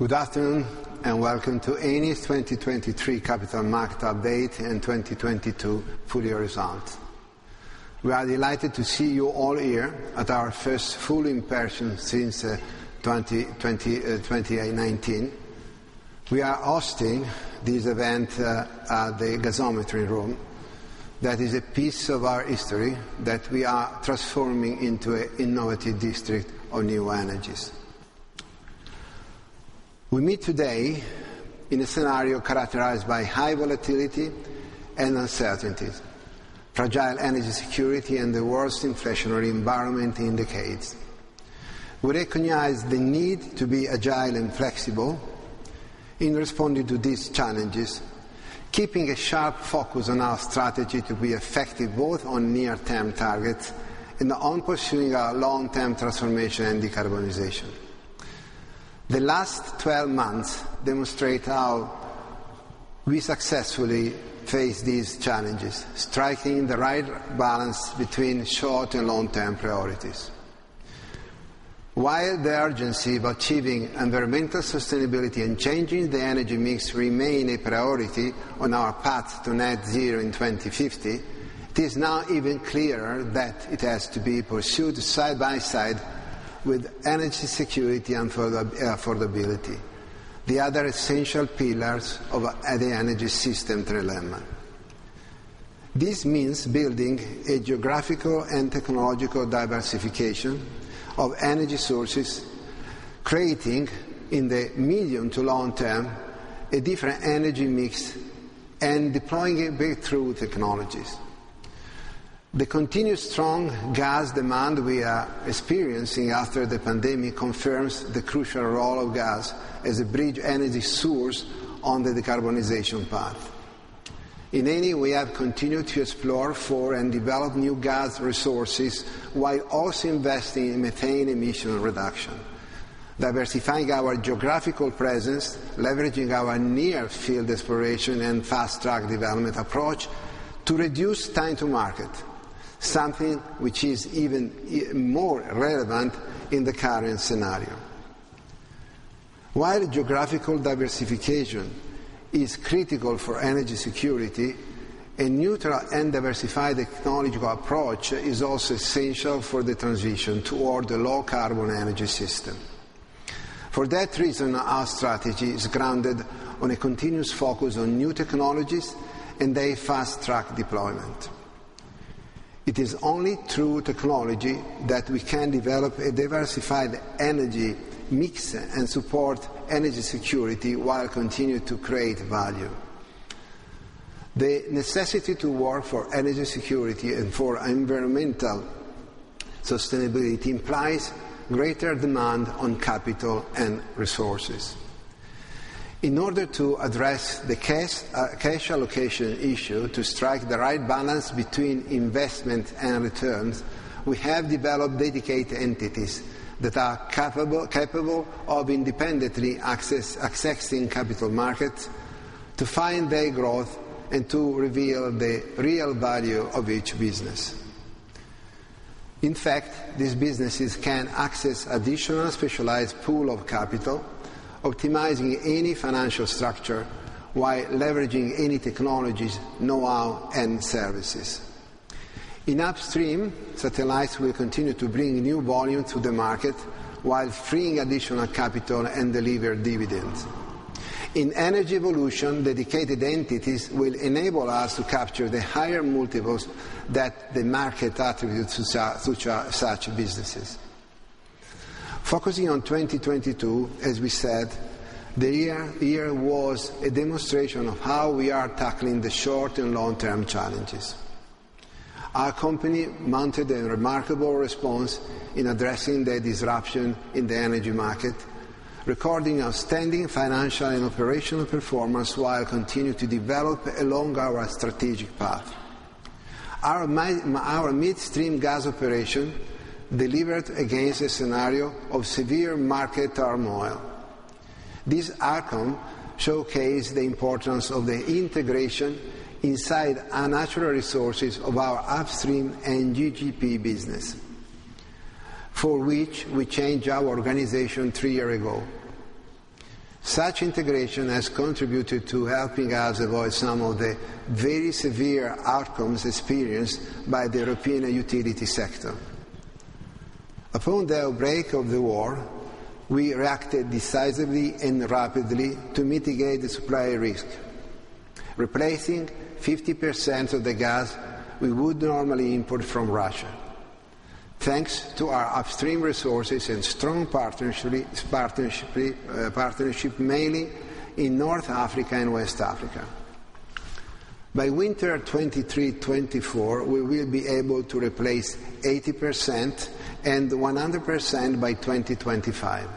Good afternoon, welcome to Eni's 2023 Capital Market Update and 2022 Full Year Results. We are delighted to see you all here at our first full in-person since 2019. We are hosting this event at the Gazometro Room. That is a piece of our history that we are transforming into an innovative district of new energies. We meet today in a scenario characterized by high volatility and uncertainties. Fragile energy security and the worst inflationary environment in decades. We recognize the need to be agile and flexible in responding to these challenges, keeping a sharp focus on our strategy to be effective, both on near-term targets and on pursuing our long-term transformation and decarbonization. The last 12 months demonstrate how we successfully face these challenges, striking the right balance between short and long-term priorities. While the urgency of achieving environmental sustainability and changing the energy mix remain a priority on our path to net zero in 2050, it is now even clearer that it has to be pursued side by side with energy security and affordability, the other essential pillars of the energy system dilemma. This means building a geographical and technological diversification of energy sources, creating, in the medium to long term, a different energy mix and deploying breakthrough technologies. The continued strong gas demand we are experiencing after the pandemic confirms the crucial role of gas as a bridge energy source on the decarbonization path. In Eni, we have continued to explore for and develop new gas resources while also investing in methane emission reduction, diversifying our geographical presence, leveraging our near field exploration and fast-track development approach to reduce time to market, something which is even more relevant in the current scenario. While geographical diversification is critical for energy security, a neutral and diversified technological approach is also essential for the transition toward the low carbon energy system. For that reason, our strategy is grounded on a continuous focus on new technologies and a fast-track deployment. It is only through technology that we can develop a diversified energy mix and support energy security while continuing to create value. The necessity to work for energy security and for environmental sustainability implies greater demand on capital and resources. In order to address the cash allocation issue to strike the right balance between investment and returns, we have developed dedicated entities that are capable of independently accessing capital markets to find their growth and to reveal the real value of each business. In fact, these businesses can access additional specialized pool of capital, optimizing any financial structure while leveraging any technologies, knowhow, and services. In upstream, satellites will continue to bring new volume to the market while freeing additional capital and deliver dividends. In Energy Evolution, dedicated entities will enable us to capture the higher multiples that the market attributes to such businesses. Focusing on 2022, as we said, the year was a demonstration of how we are tackling the short and long-term challenges. Our company mounted a remarkable response in addressing the disruption in the energy market, recording outstanding financial and operational performance while continuing to develop along our strategic path. Our mid-stream gas operation delivered against a scenario of severe market turmoil. This outcome showcased the importance of the integration inside our Natural Resources of our upstream and UGP business, for which we changed our organization 3 year ago. Such integration has contributed to helping us avoid some of the very severe outcomes experienced by the European utility sector. Upon the outbreak of the war, we reacted decisively and rapidly to mitigate the supply risk, replacing 50% of the gas we would normally import from Russia, thanks to our upstream resources and strong partnership, mainly in North Africa and West Africa. By winter 2023/2024, we will be able to replace 80% and 100% by 2025,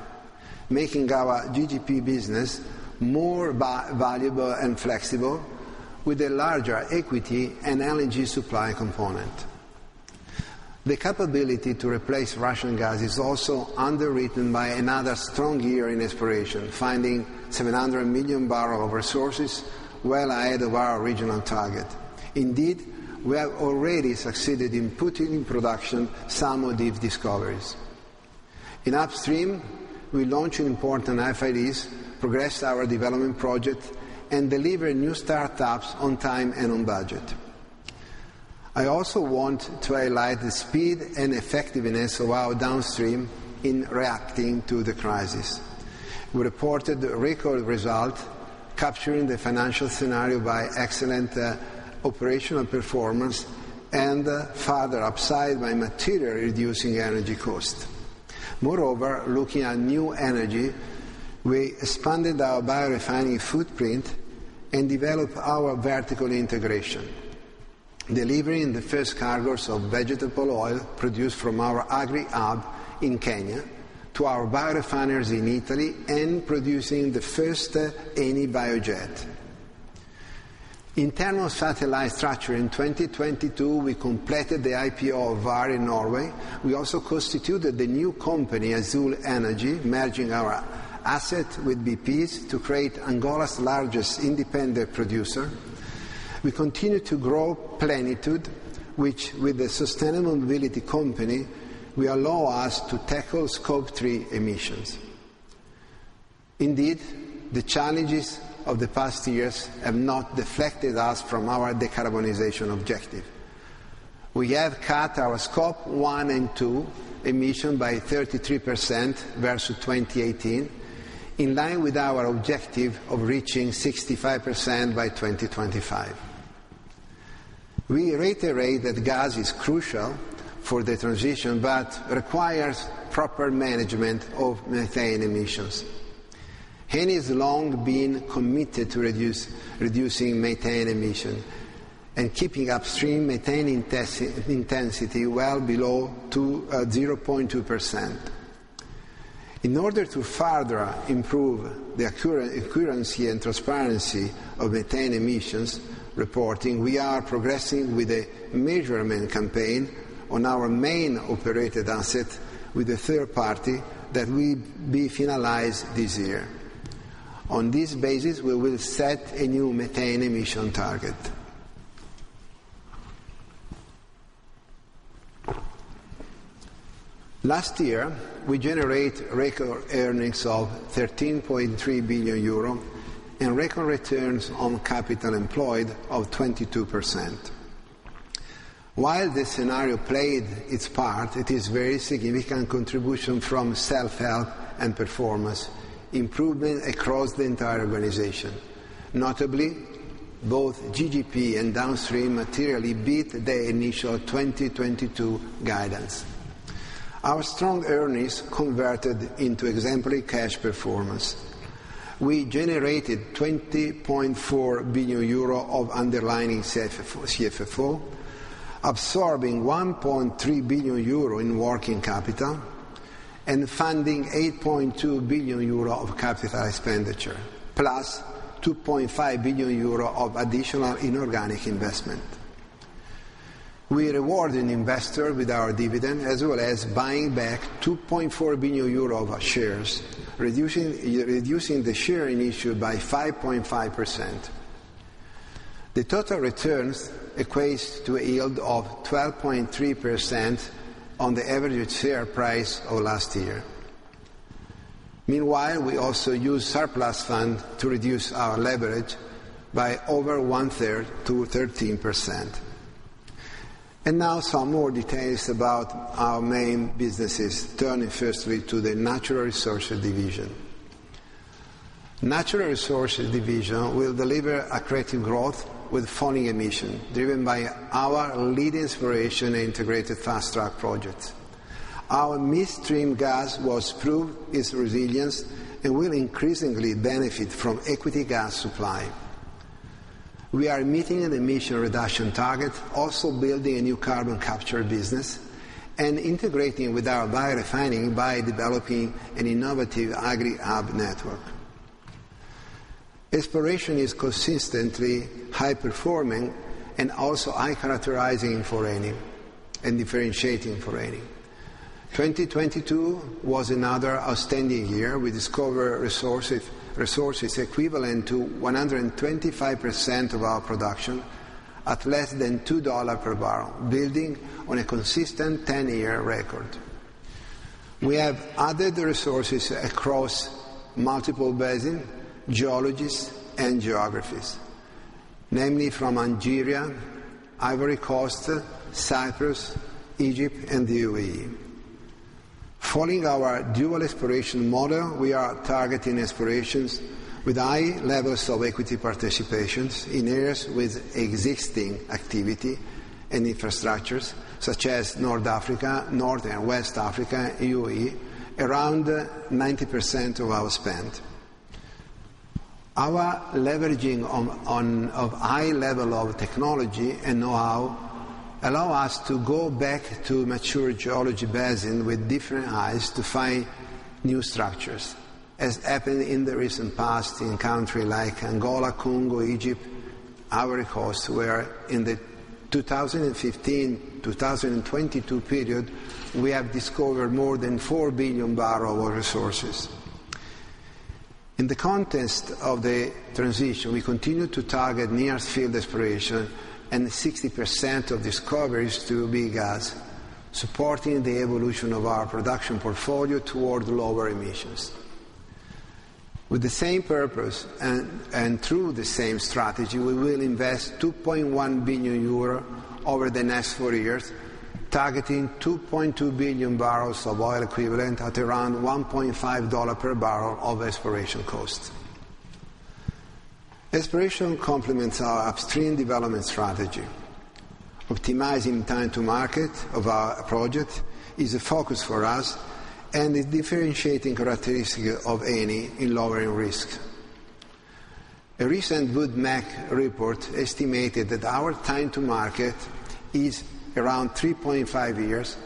making our GGP business more valuable and flexible with a larger equity and LNG supply component. The capability to replace Russian gas is also underwritten by another strong year in exploration, finding 700 million barrel of resources well ahead of our original target. Indeed, we have already succeeded in putting in production some of these discoveries. In upstream, we launched important FIDs, progressed our development project, and delivered new startups on time and on budget. I also want to highlight the speed and effectiveness of our downstream in reacting to the crisis. We reported record results, capturing the financial scenario by excellent operational performance and further upside by materially reducing energy costs. Looking at new energy, we expanded our biorefining footprint and developed our vertical integration, delivering the first cargoes of vegetable oil produced from our agri-hub in Kenya to our biorefineries in Italy and producing the first Eni Biojet. Internal satellite structure in 2022, we completed the IPO of Vår Energi. We also constituted the new company, Azule Energy, merging our asset with BP's to create Angola's largest independent producer. We continue to grow Plenitude, which with the Sustainable Mobility company, will allow us to tackle Scope 3 emissions. The challenges of the past years have not deflected us from our decarbonization objective. We have cut our Scope 1 and 2 emissions by 33% versus 2018, in line with our objective of reaching 65% by 2025. We reiterate that gas is crucial for the transition, requires proper management of methane emissions. Eni's long been committed to reducing methane emission and keeping upstream methane intensity well below 0.2%. In order to further improve the accuracy and transparency of methane emissions reporting, we are progressing with a measurement campaign on our main operated asset with a third party that will be finalized this year. On this basis, we will set a new methane emission target. Last year, we generate record earnings of 13.3 billion euro and record returns on capital employed of 22%. While this scenario played its part, it is very significant contribution from self-help and performance improvement across the entire organization. Notably, both GGP and downstream materially beat their initial 2022 guidance. Our strong earnings converted into exemplary cash performance. We generated 20.4 billion euro of underlying CFFO, absorbing 1.3 billion euro in working capital and funding 8.2 billion euro of capital expenditure, +2.5 billion euro of additional inorganic investment. We rewarded investor with our dividend, as well as buying back 2.4 billion euro of our shares, reducing the share issue by 5.5%. The total returns equates to a yield of 12.3% on the average share price of last year. Meanwhile, we also use surplus fund to reduce our leverage by over one-third to 13%. Now some more details about our main businesses, turning firstly to the Natural Resources Division. Natural Resources Division will deliver accretive growth with falling emission, driven by our leading exploration integrated fast-track project. Our midstream gas was proved its resilience and will increasingly benefit from equity gas supply. We are meeting an emission reduction target, also building a new carbon capture business and integrating with our biorefining by developing an innovative agri-hub network. Exploration is consistently high-performing and also high-characterizing for Eni and differentiating for Eni. 2022 was another outstanding year. We discover resources equivalent to 125% of our production at less than $2 per barrel, building on a consistent 10-year record. We have added the resources across multiple basin, geologies, and geographies, namely from Algeria, Ivory Coast, Cyprus, Egypt, and the UAE. Following our Dual Exploration Model, we are targeting explorations with high levels of equity participations in areas with existing activity and infrastructures such as North Africa, North and West Africa, UAE, around 90% of our spend. Our leveraging on of high level of technology and know-how allow us to go back to mature geology basin with different eyes to find new structures, as happened in the recent past in country like Angola, Congo, Egypt, Ivory Coast, where in the 2015-2022 period, we have discovered more than 4 billion barrel of resources. In the context of the transition, we continue to target near field exploration and 60% of discoveries to be gas, supporting the evolution of our production portfolio toward lower emissions. With the same purpose and through the same strategy, we will invest 2.1 billion euro over the next 4 years, targeting 2.2 billion barrels of oil equivalent at around $1.5 per barrel of exploration costs. Exploration complements our upstream development strategy. Optimizing time to market of our project is a focus for us, and a differentiating characteristic of Eni in lowering risks. A recent Wood Mackenzie report estimated that our time to market is around 3.5 years,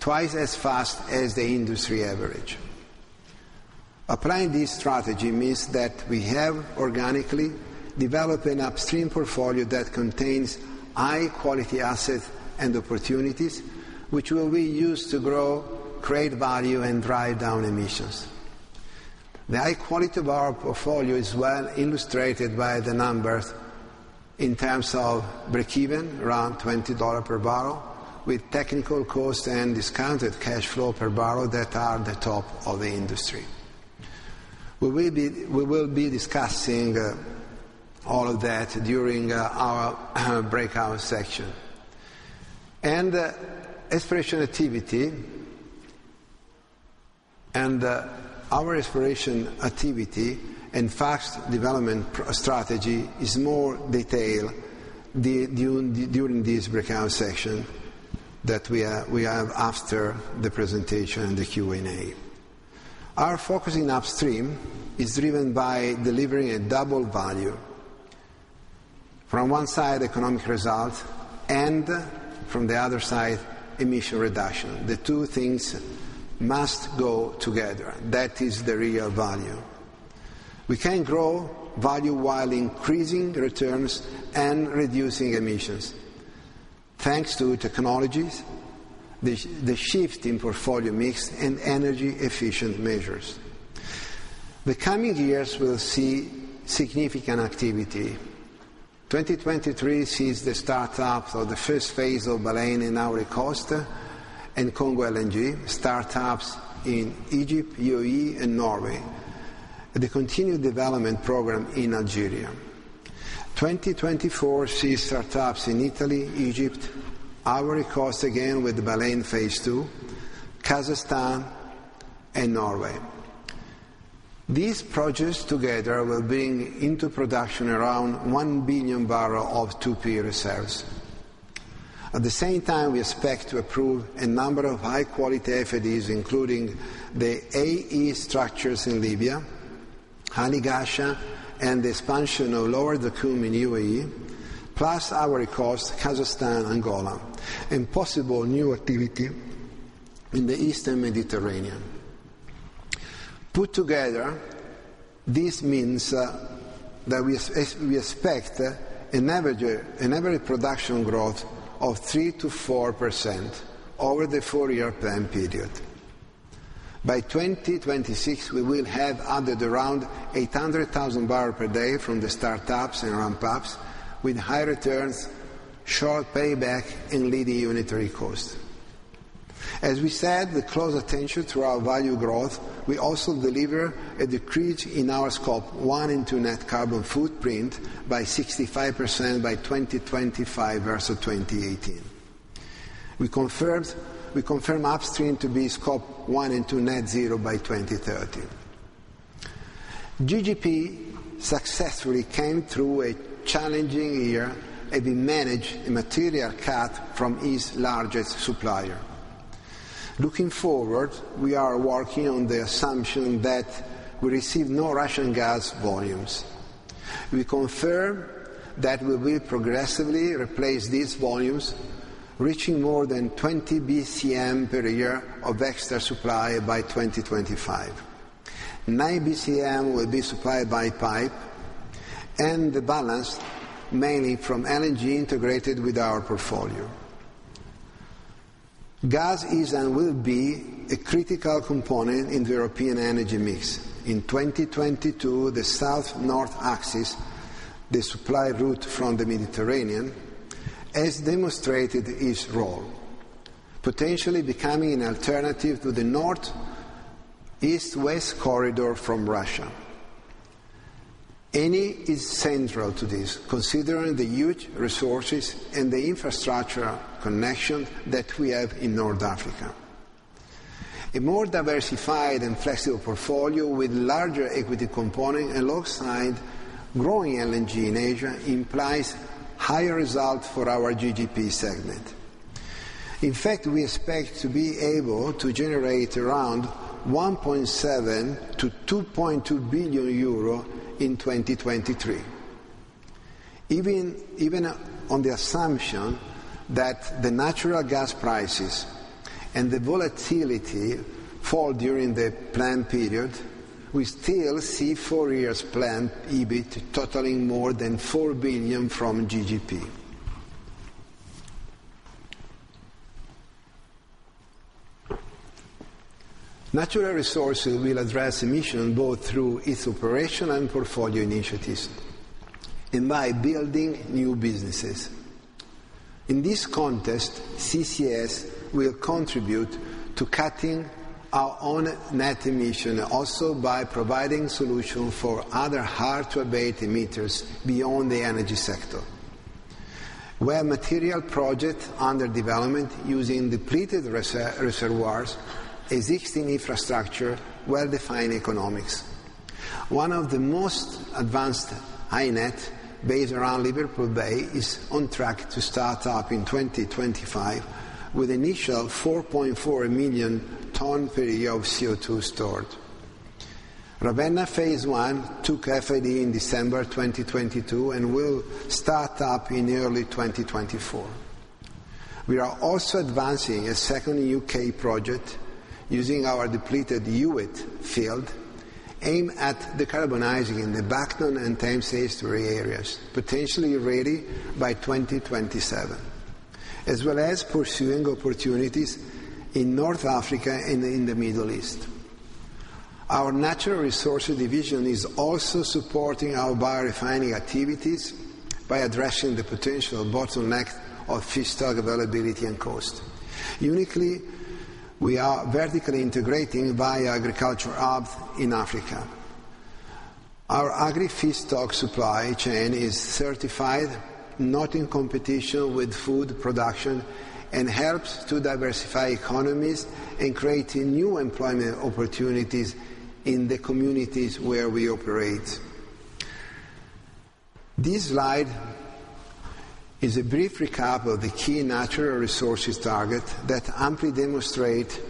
twice as fast as the industry average. Applying this strategy means that we have organically developed an upstream portfolio that contains high quality assets and opportunities, which will be used to grow, create value, and drive down emissions. The high quality of our portfolio is well illustrated by the numbers in terms of breakeven, around $20 per barrel, with technical cost and discounted cash flow per barrel that are the top of the industry. We will be discussing all of that during our breakout section. Our exploration activity and fast development strategy is more detailed during this breakout session that we have after the presentation and the Q&A. Our focus in upstream is driven by delivering a double value. From one side, economic result, and from the other side, emission reduction. The two things must go together. That is the real value. We can grow value while increasing returns and reducing emissions. Thanks to technologies, the shift in portfolio mix, and energy efficient measures. The coming years will see significant activity. 2023 sees the startup of the first phase of Baleine in Ivory Coast and Congo LNG, startups in Egypt, UAE, and Norway, and the continued development program in Algeria. 2024 sees startups in Italy, Egypt, Ivory Coast again with Baleine Phase 2, Kazakhstan, and Norway. These projects together will bring into production around 1 billion barrel of 2P reserves. At the same time, we expect to approve a number of high quality FIDs, including the A-E structures in Libya, Ghasha, and the expansion of Lower Zakum in UAE, plus Ivory Coast, Kazakhstan, Angola, and possible new activity in the Eastern Mediterranean. Put together, this means that we expect an average production growth of 3%-4% over the 4-year plan period. By 2026, we will have added around 800,000 barrel per day from the startups and ramp-ups, with high returns, short payback, and leading unitary costs. As we said, with close attention to our value growth, we also deliver a decrease in our Scope 1 and 2 net carbon footprint by 65% by 2025 versus 2018. We confirm upstream to be Scope 1 and 2 net zero by 2030. GGP successfully came through a challenging year, having managed a material cut from its largest supplier. Looking forward, we are working on the assumption that we receive no Russian gas volumes. We confirm that we will progressively replace these volumes, reaching more than 20 BCM per year of extra supply by 2025. 9 BCM will be supplied by pipe, and the balance mainly from LNG integrated with our portfolio. Gas is and will be a critical component in the European energy mix. In 2022, the south-north axis, the supply route from the Mediterranean, has demonstrated its role, potentially becoming an alternative to the northeast-west corridor from Russia. Eni is central to this, considering the huge resources and the infrastructure connection that we have in North Africa. A more diversified and flexible portfolio with larger equity component alongside growing LNG in Asia implies higher results for our GGP segment. In fact, we expect to be able to generate around 1.7 billion TO 2.2 billion euro in 2023. Even on the assumption that the natural gas prices and the volatility fall during the plan period, we still see 4 years plan EBIT totaling more than 4 billion from GGP. Natural Resources will address emission both through its operation and portfolio initiatives and by building new businesses. In this context, CCS will contribute to cutting our own net emission also by providing solution for other hard to abate emitters beyond the energy sector. We have material project under development using depleted reservoirs, existing infrastructure, well-defined economics. One of the most advanced INET based around Liverpool Bay is on track to start up in 2025, with initial 4.4 million ton per year of CO2 stored. Ravenna phase one took FID in December 2022, and will start up in early 2024. We are also advancing a second U.K. project using our depleted Hewett field, aimed at decarbonizing the Bacton and Thames Estuary areas, potentially ready by 2027, as well as pursuing opportunities in North Africa and in the Middle East. Our Natural Resources division is also supporting our biorefining activities by addressing the potential bottleneck of feedstock availability and cost. Uniquely, we are vertically integrating bio agricultural hubs in Africa. Our agri feedstock supply chain is certified not in competition with food production, and helps to diversify economies and creating new employment opportunities in the communities where we operate. This slide is a brief recap of the key Natural Resources target that amply demonstrate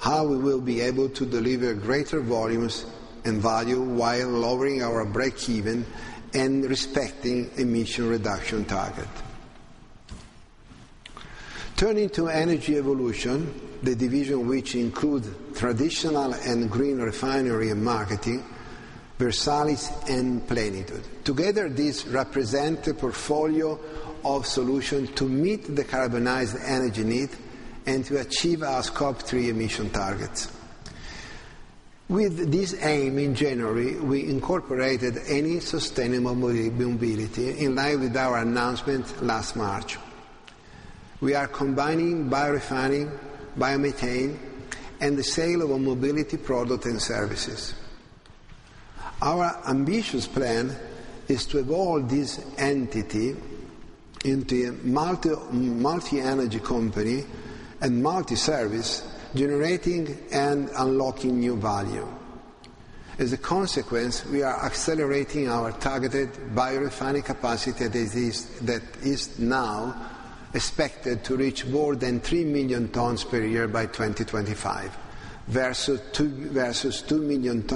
how we will be able to deliver greater volumes and value while lowering our breakeven and respecting emission reduction target. Turning to Energy Evolution, the division which includes traditional and green refinery and marketing, Versalis and Plenitude. Together, these represent a portfolio of solution to meet the decarbonized energy need and to achieve our Scope 3 emission targets. With this aim, in January, we incorporated Eni Sustainable Mobility in line with our announcement last March. We are combining biorefining, biomethane, and the sale of mobility product and services. Our ambitious plan is to evolve this entity into a multi-energy company and multi-service, generating and unlocking new value. As a consequence, we are accelerating our targeted biorefining capacity that is now expected to reach more than 3 million tons per year by 2025, versus 2 million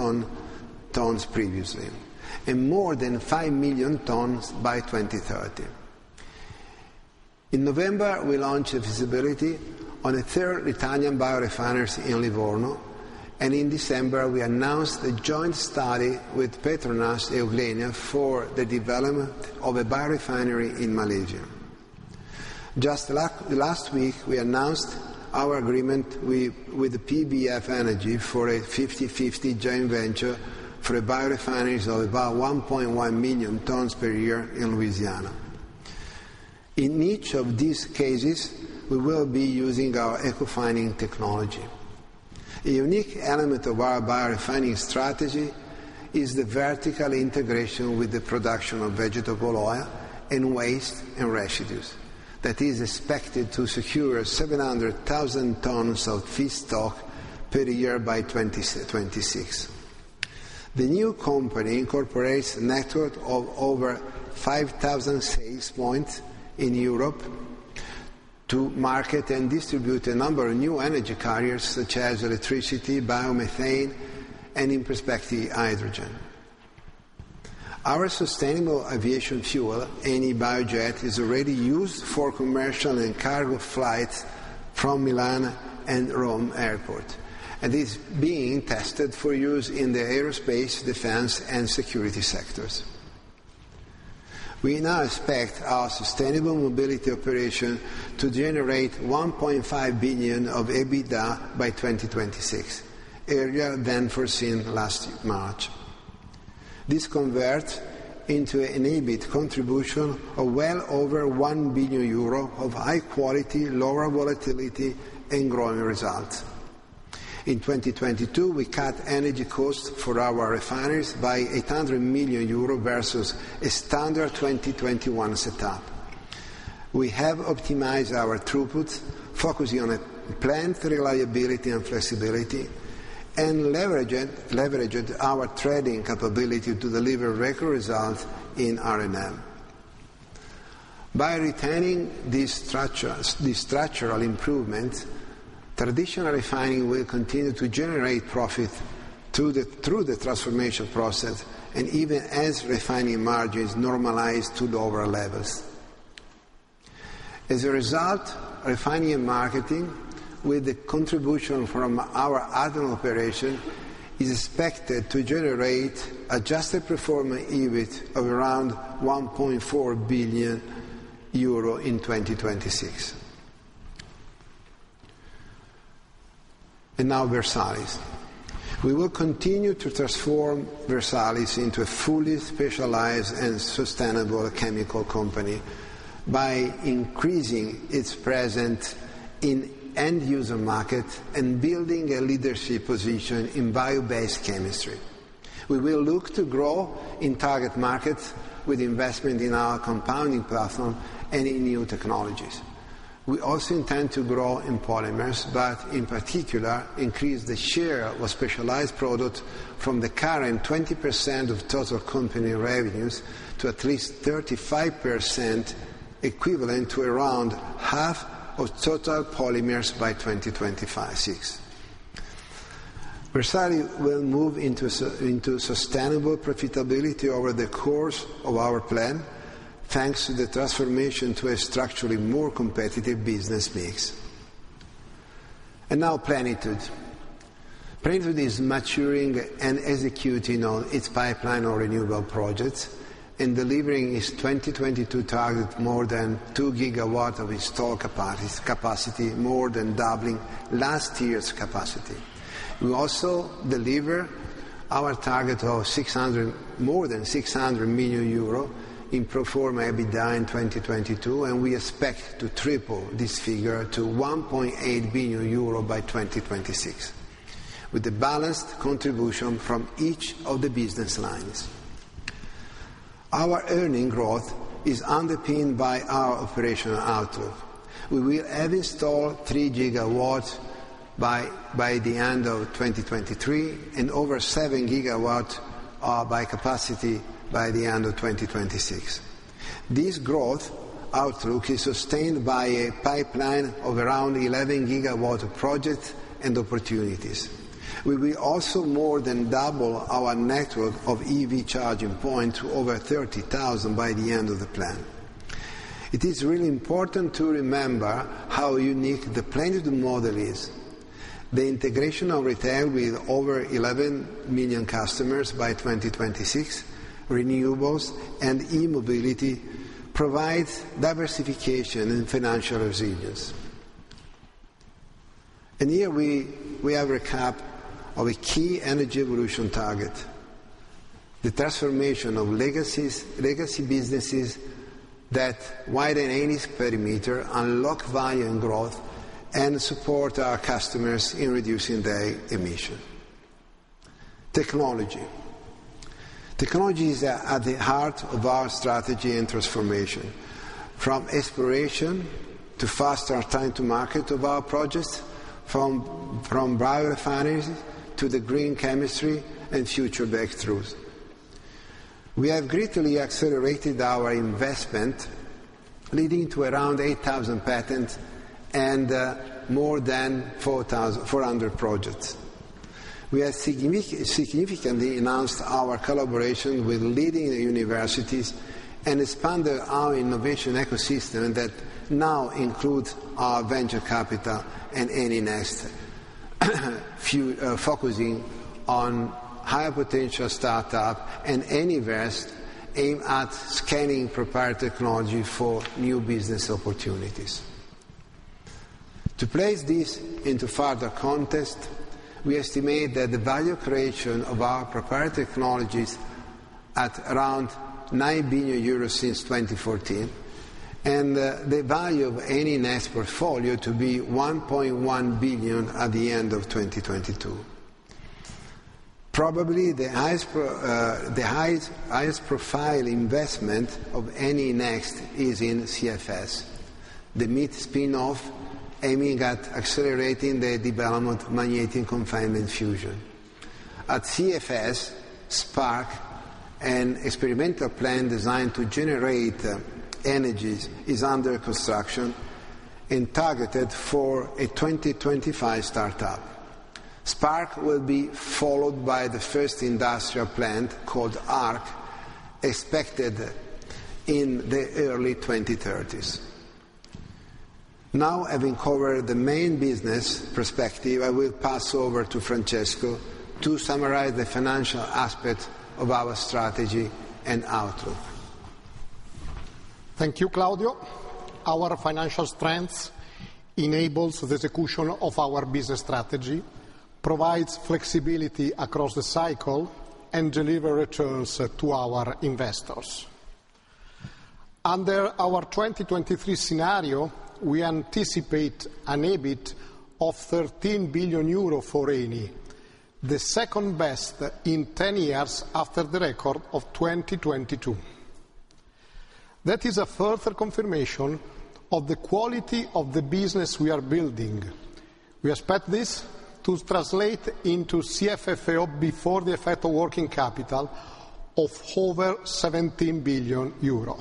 tons previously, and more than 5 million tons by 2030. In November, we launched a feasibility on a third Italian biorefinery in Livorno, and in December, we announced a joint study with Petronas Euglena for the development of a biorefinery in Malaysia. Just last week, we announced our agreement with PBF Energy for a 50/50 joint venture for a biorefinery of about 1.1 million tons per year in Louisiana. In each of these cases, we will be using our Ecofining technology. A unique element of our biorefining strategy is the vertical integration with the production of vegetable oil and waste and residues that is expected to secure 700,000 tons of feedstock per year by 2026. The new company incorporates a network of over 5,000 sales points in Europe to market and distribute a number of new energy carriers such as electricity, biomethane, and in perspective, hydrogen. Our sustainable aviation fuel, Eni Biojet, is already used for commercial and cargo flights from Milan and Rome Airport, and is being tested for use in the aerospace, defense, and security sectors. We now expect our Sustainable Mobility operation to generate 1.5 billion of EBITDA by 2026, earlier than foreseen last March. This converts into an EBIT contribution of well over 1 billion euro of high quality, lower volatility and growing results. In 2022, we cut energy costs for our refineries by 800 million euro versus a standard 2021 setup. We have optimized our throughput, focusing on a plant reliability and flexibility, and leveraged our trading capability to deliver record results in R&M. By retaining these structural improvements, traditional refining will continue to generate profit through the transformation process and even as refining margins normalize to lower levels. As a result, refining and marketing with the contribution from our other operation is expected to generate adjusted performance EBIT of around 1.4 billion euro in 2026. Now Versalis. We will continue to transform Versalis into a fully specialized and sustainable chemical company by increasing its presence in end user markets and building a leadership position in bio-based chemistry. We will look to grow in target markets with investment in our compounding platform and in new technologies. We also intend to grow in polymers, but in particular increase the share of specialized product from the current 20% of total company revenues to at least 35%, equivalent to around half of total polymers by 2025 6. Versalis will move into sustainable profitability over the course of our plan, thanks to the transformation to a structurally more competitive business mix. Now Plenitude. Plenitude is maturing and executing on its pipeline of renewable projects and delivering its 2022 target more than 2 GW of installed capacity, more than doubling last year's capacity. We also deliver our target of 600 more than 600 million euro in pro forma EBITDA in 2022. We expect to triple this figure to 1.8 billion euro by 2026, with a balanced contribution from each of the business lines. Our earning growth is underpinned by our operational outlook. We will have installed 3 GW by the end of 2023 and over 7 GW by capacity by the end of 2026. This growth outlook is sustained by a pipeline of around 11 GW of projects and opportunities. We will also more than double our network of EV charging points to over 30,000 by the end of the plan. It is really important to remember how unique the Plenitude model is. The integration of retail with over 11 million customers by 2026, renewables, and e-mobility provides diversification and financial resilience. Here we have a recap of a key Energy Evolution target. The transformation of legacy businesses that widen Eni's perimeter, unlock value and growth, and support our customers in reducing their emission. Technology. Technology is at the heart of our strategy and transformation, from exploration to faster time to market of our projects, from biorefineries to the green chemistry and future breakthroughs. We have greatly accelerated our investment, leading to around 8,000 patents and more than 400 projects. We have significantly enhanced our collaboration with leading universities and expanded our innovation ecosystem that now includes our venture capital and Eni Next focusing on higher potential startup and Eni Invest aim at scaling prepared technology for new business opportunities. To place this into further context, we estimate that the value creation of our prepared technology is at around 9 billion euros since 2014, and the value of Eni Next portfolio to be 1.1 billion at the end of 2022. Probably the highest profile investment of Eni Next is in CFS, the MIT spin-off aiming at accelerating the development of magnetic confinement fusion. At CFS, SPARC, an experimental plant designed to generate energies, is under construction and targeted for a 2025 start-up. SPARC will be followed by the first industrial plant, called ARC, expected in the early 2030s. Having covered the main business perspective, I will pass over to Francesco to summarize the financial aspects of our strategy and outlook. Thank you, Claudio. Our financial strengths enables the execution of our business strategy, provides flexibility across the cycle, and deliver returns to our investors. Under our 2023 scenario, we anticipate an EBIT of 13 billion euro for Eni, the second best in 10 years after the record of 2022. That is a further confirmation of the quality of the business we are building. We expect this to translate into CFFO before the effect of working capital of over 17 billion euro.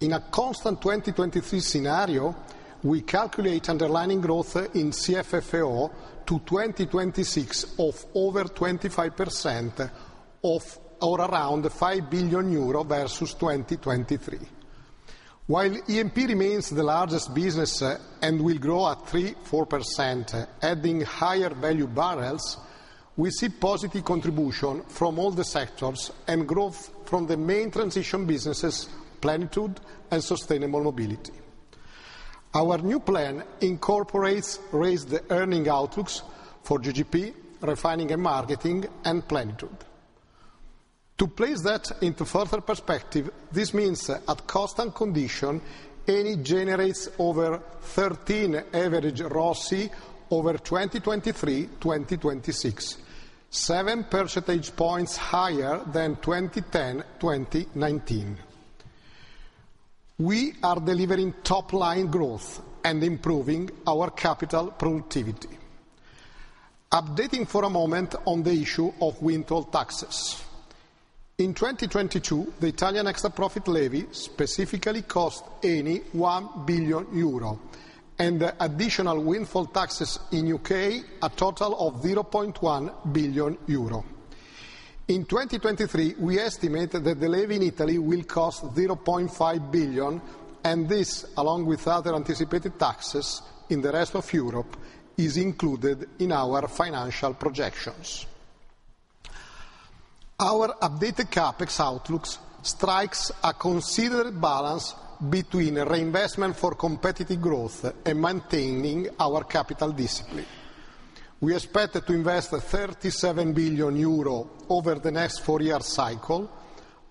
In a constant 2023 scenario, we calculate underlying growth in CFFO to 2026 of over 25% of or around 5 billion euro versus 2023. While E&P remains the largest business, and will grow at 3%-4%, adding higher value barrels. We see positive contribution from all the sectors, and growth from the main transition businesses, Plenitude and Sustainable Mobility. Our new plan incorporates raised earnings outlooks for GGP, Refining and Marketing, and Plenitude. To place that into further perspective, this means that at cost and condition, Eni generates over 13 average ROCE over 2023-2026, 7 percentage points higher than 2010-2019. We are delivering top line growth and improving our capital productivity. Updating for a moment on the issue of windfall taxes. In 2022, the Italian extra-profit levy specifically cost Eni 1 billion euro, and additional windfall taxes in U.K., a total of 0.1 billion euro. In 2023, we estimate that the levy in Italy will cost 0.5 billion, and this, along with other anticipated taxes in the rest of Europe, is included in our financial projections. Our updated CapEx outlook strikes a considered balance between reinvestment for competitive growth and maintaining our capital discipline. We expect to invest 37 billion euro over the next four-year cycle,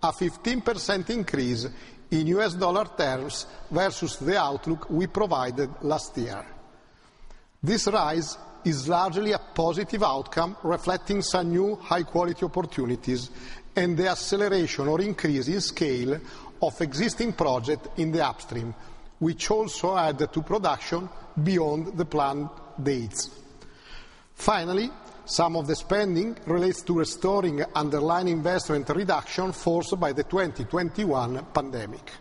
a 15% increase in US dollar terms versus the outlook we provided last year. This rise is largely a positive outcome reflecting some new high quality opportunities and the acceleration or increase in scale of existing project in the upstream, which also add to production beyond the planned dates. Some of the spending relates to restoring underlying investment reduction forced by the 2021 pandemic.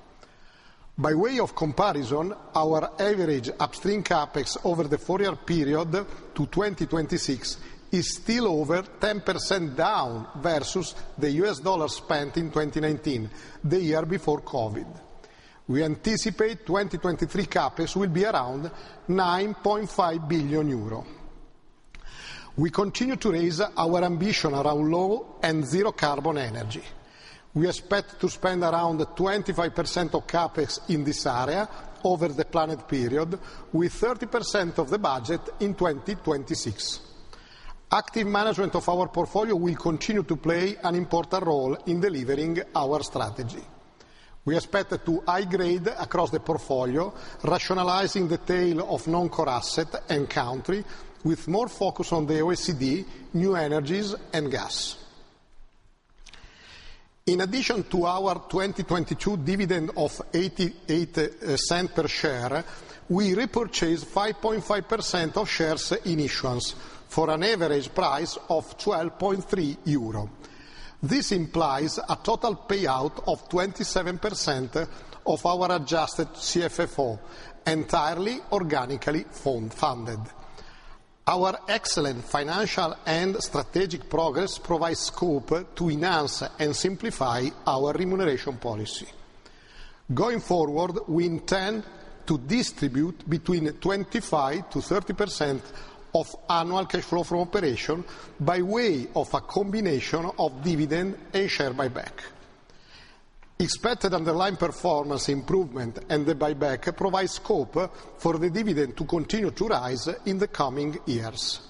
By way of comparison, our average upstream CapEx over the four-year period to 2026 is still over 10% down versus the US dollars spent in 2019, the year before COVID. We anticipate 2023 CapEx will be around 9.5 billion euro. We continue to raise our ambition around low and zero carbon energy. We expect to spend around 25% of CapEx in this area over the planned period, with 30% of the budget in 2026. Active management of our portfolio will continue to play an important role in delivering our strategy. We expect to high grade across the portfolio, rationalizing the tail of non-core asset and country with more focus on the OECD, new energies, and gas. In addition to our 2022 dividend of 0.88 per share, we repurchased 5.5% of shares in issuance for an average price of 12.3 euro. This implies a total payout of 27% of our adjusted CFFO, entirely organically funded. Our excellent financial and strategic progress provides scope to enhance and simplify our remuneration policy. Going forward, we intend to distribute between 25%-30% of annual cash flow from operation by way of a combination of dividend and share buyback. Expected underlying performance improvement and the buyback provides scope for the dividend to continue to rise in the coming years.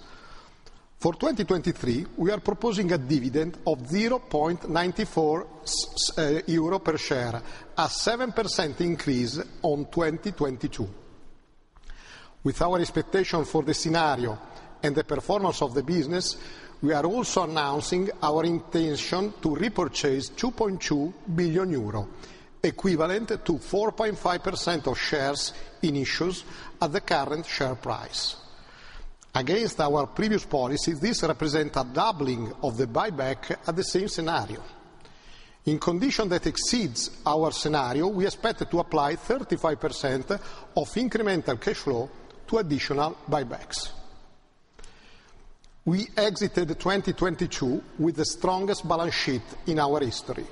For 2023, we are proposing a dividend of 0.94 euro per share, a 7% increase on 2022. With our expectation for the scenario and the performance of the business, we are also announcing our intention to repurchase 2.2 billion euro, equivalent to 4.5% of shares in issues at the current share price. Against our previous policy, this represent a doubling of the buyback at the same scenario. In condition that exceeds our scenario, we expect to apply 35% of incremental cash flow to additional buybacks. We exited 2022 with the strongest balance sheet in our history.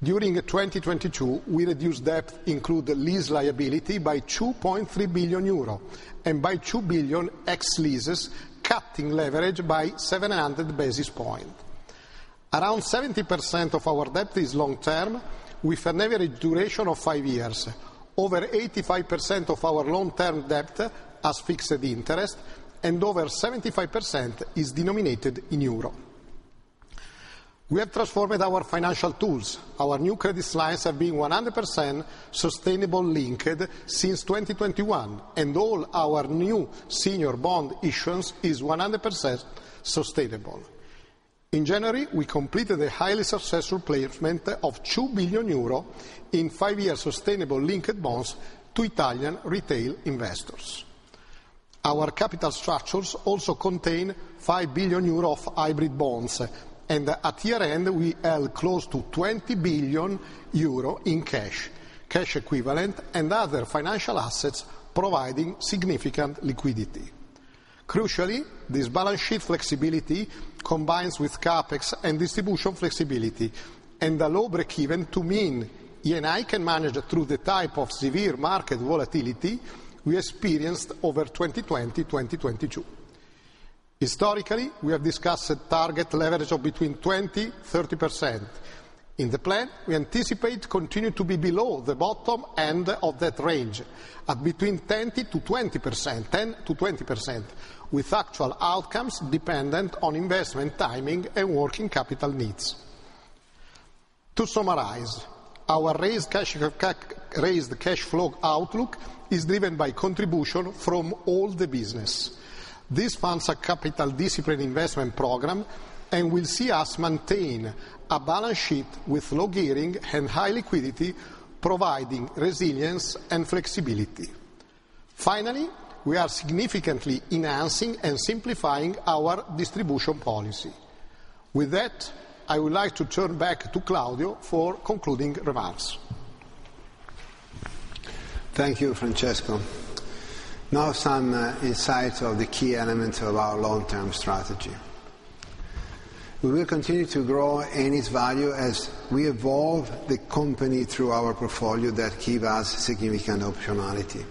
During 2022, we reduced debt, include the lease liability by 2.3 billion euro, and by 2 billion ex-leases, cutting leverage by 700 basis point. Around 70% of our debt is long-term, with an average duration of 5 years. Over 85% of our long-term debt has fixed the interest, and over 75% is denominated in EUR. We have transformed our financial tools. Our new credit slides have been 100% sustainable linked since 2021, and all our new senior bond issuance is 100% sustainable. In January, we completed a highly successful placement of 2 billion euro in 5-year sustainable linked bonds to Italian retail investors. Our capital structures also contain 5 billion euro of hybrid bonds. At year-end, we held close to 20 billion euro in cash equivalent, and other financial assets providing significant liquidity. Crucially, this balance sheet flexibility combines with CapEx and distribution flexibility, and a low break-even to mean Eni can manage through the type of severe market volatility we experienced over 2020, 2022. Historically, we have discussed target leverage of between 20%-30%. In the plan, we anticipate continue to be below the bottom end of that range, at between 10%-20%, with actual outcomes dependent on investment timing and working capital needs. To summarize, our raised cash flow outlook is driven by contribution from all the business. This funds a capital discipline investment program and will see us maintain a balance sheet with low gearing and high liquidity, providing resilience and flexibility. Finally, we are significantly enhancing and simplifying our distribution policy. With that, I would like to turn back to Claudio for concluding remarks. Thank you, Francesco. Now some insights of the key elements of our long-term strategy. We will continue to grow Eni's value as we evolve the company through our portfolio that give us significant optionality.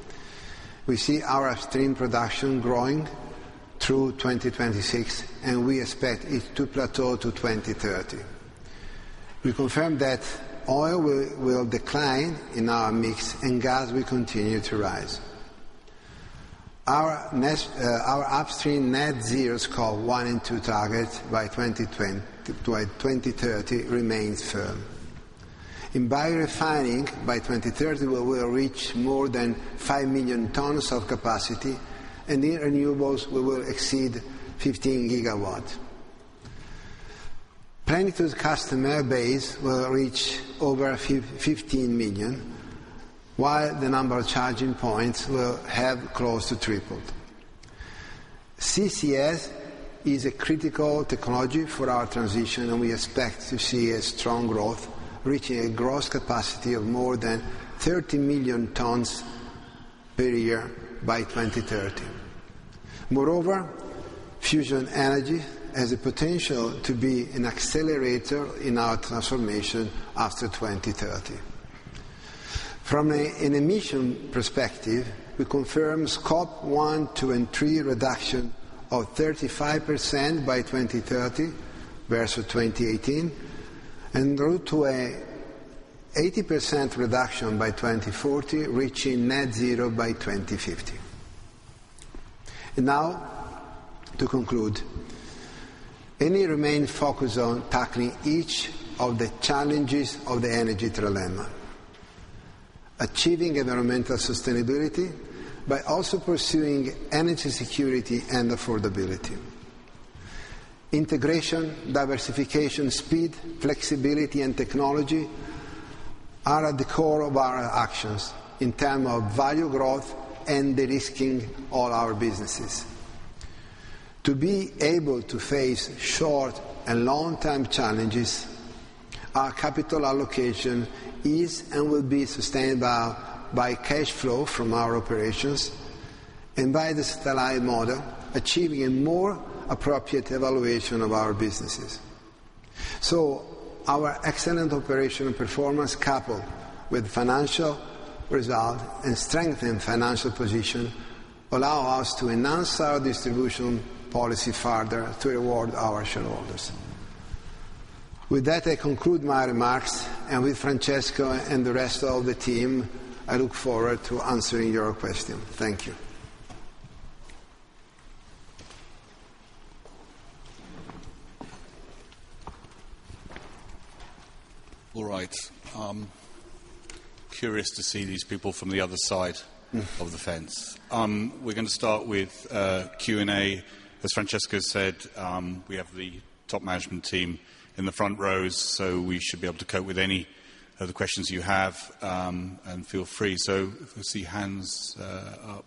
We see our upstream production growing through 2026, and we expect it to plateau to 2030. We confirm that oil will decline in our mix and gas will continue to rise. Our next, our upstream net zero Scope 1 and 2 targets by 2030 remains firm. In biorefining, by 2030, we will reach more than 5 million tons of capacity, and in renewables we will exceed 15 GW. Plenitude's customer base will reach over 15 million, while the number of charging points will have close to tripled. CCS is a critical technology for our transition, and we expect to see a strong growth, reaching a gross capacity of more than 30 million tons per year by 2030. Moreover, fusion energy has the potential to be an accelerator in our transformation after 2030. From an emission perspective, we confirm Scope 1, 2, and 3 reduction of 35% by 2030 versus 2018, en route to a 80% reduction by 2040, reaching net zero by 2050. Now, to conclude, Eni remain focused on tackling each of the challenges of the energy trilemma: achieving environmental sustainability by also pursuing energy security and affordability. Integration, diversification, speed, flexibility, and technology are at the core of our actions in term of value growth and de-risking all our businesses. To be able to face short and long-term challenges, our capital allocation is and will be sustainable by cash flow from our operations and by the satellite model, achieving a more appropriate evaluation of our businesses. Our excellent operational performance, coupled with financial result and strengthened financial position, allow us to enhance our distribution policy further to reward our shareholders. With that, I conclude my remarks, and with Francesco and the rest of the team, I look forward to answering your question. Thank you. All right. I'm curious to see these people from the other side of the fence. We're gonna start with Q&A. As Francesco said, we have the top management team in the front rows, so we should be able to cope with any of the questions you have, and feel free. If I see hands up.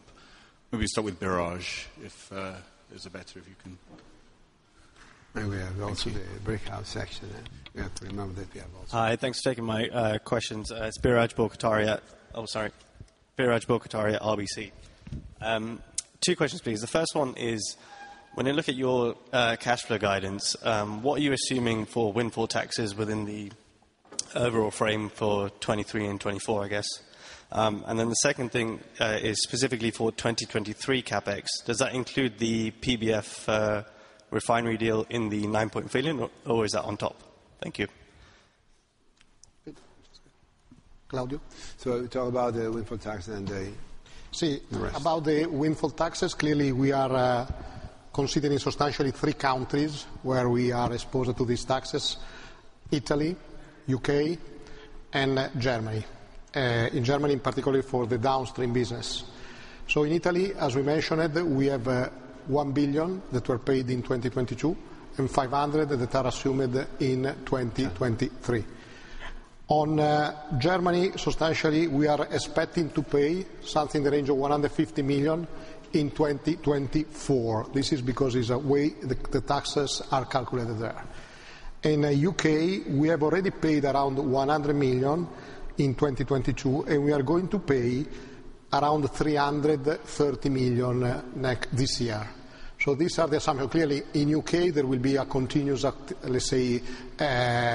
Maybe start with Biraj, if it's better if you can. Maybe we go to the breakout section then. Hi. Thanks for taking my questions. It's Biraj Borkhataria. Oh, sorry. Biraj Borkhataria, RBC. Two questions, please. The first one is, when you look at your cash flow guidance, what are you assuming for windfall tax within the overall frame for 2023 and 2024, I guess? Then the second thing is specifically for 2023 CapEx, does that include the PBF refinery deal in the 9 billion, or is that on top? Thank you. Good. Francesco. Claudio. Talk about the windfall tax. Si. About the windfall tax, clearly we are considering substantially three countries where we are exposed to these taxes, Italy, UK, and Germany. In Germany in particular for the downstream business. In Italy, as we mentioned, we have 1 billion that were paid in 2022 and 500 that are assumed in 2023. On Germany, substantially we are expecting to pay something in the range of 150 million in 2024. This is because it's a way the taxes are calculated there. In the UK, we have already paid around 100 million in 2022, and we are going to pay around 330 million this year. These are the sum. Clearly in UK there will be a continuous, let's say,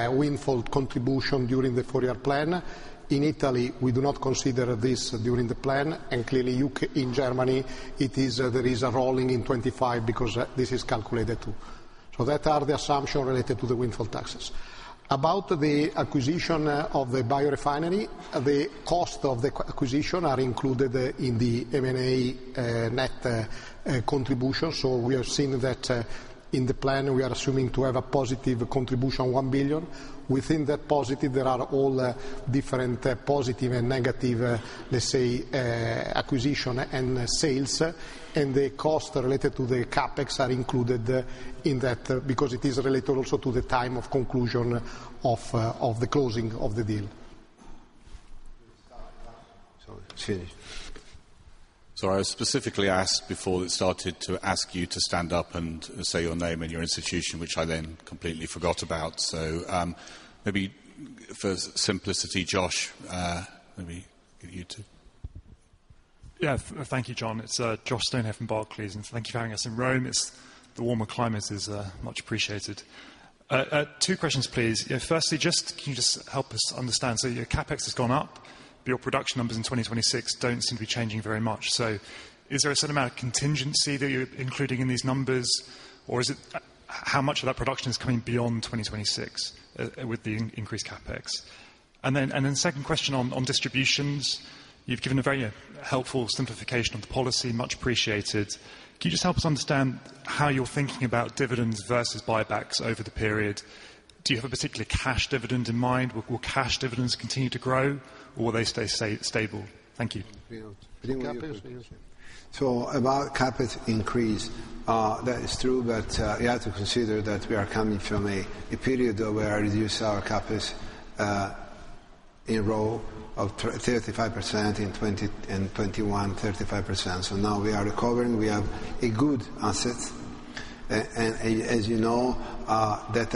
windfall contribution during the four-year plan. In Italy, we do not consider this during the plan. Clearly UK in Germany, it is, there is a rolling in 25 because this is calculated to. That are the assumption related to the windfall tax. About the acquisition of the biorefinery, the cost of the acquisition are included in the M&A net contribution. We are seeing that in the plan, we are assuming to have a positive contribution, 1 billion. Within that positive, there are all different positive and negative, let's say, acquisition and sales. The costs related to the CapEx are included in that because it is related also to the time of conclusion of the closing of the deal. Sorry, I specifically asked before it started to ask you to stand up and say your name and your institution, which I then completely forgot about. Maybe for simplicity, Josh, maybe get you. Thank you, Jon. It's Josh Stone from Barclays, and thank you for having us in Rome. The warmer climate is much appreciated. Two questions, please. Firstly, can you just help us understand? Your CapEx has gone up, but your production numbers in 2026 don't seem to be changing very much. Is there a certain amount of contingency that you're including in these numbers, or how much of that production is coming beyond 2026 with the increased CapEx? Second question on distributions, you've given a very helpful simplification of the policy, much appreciated. Can you just help us understand how you're thinking about dividends versus buybacks over the period? Do you have a particular cash dividend in mind? Will cash dividends continue to grow, or will they stay stable? Thank you. On the CapEx? About CapEx increase, that is true, but you have to consider that we are coming from a period where we reduce our CapEx in row of 35% in 2021 35%. Now we are recovering. We have a good assets. And as you know, that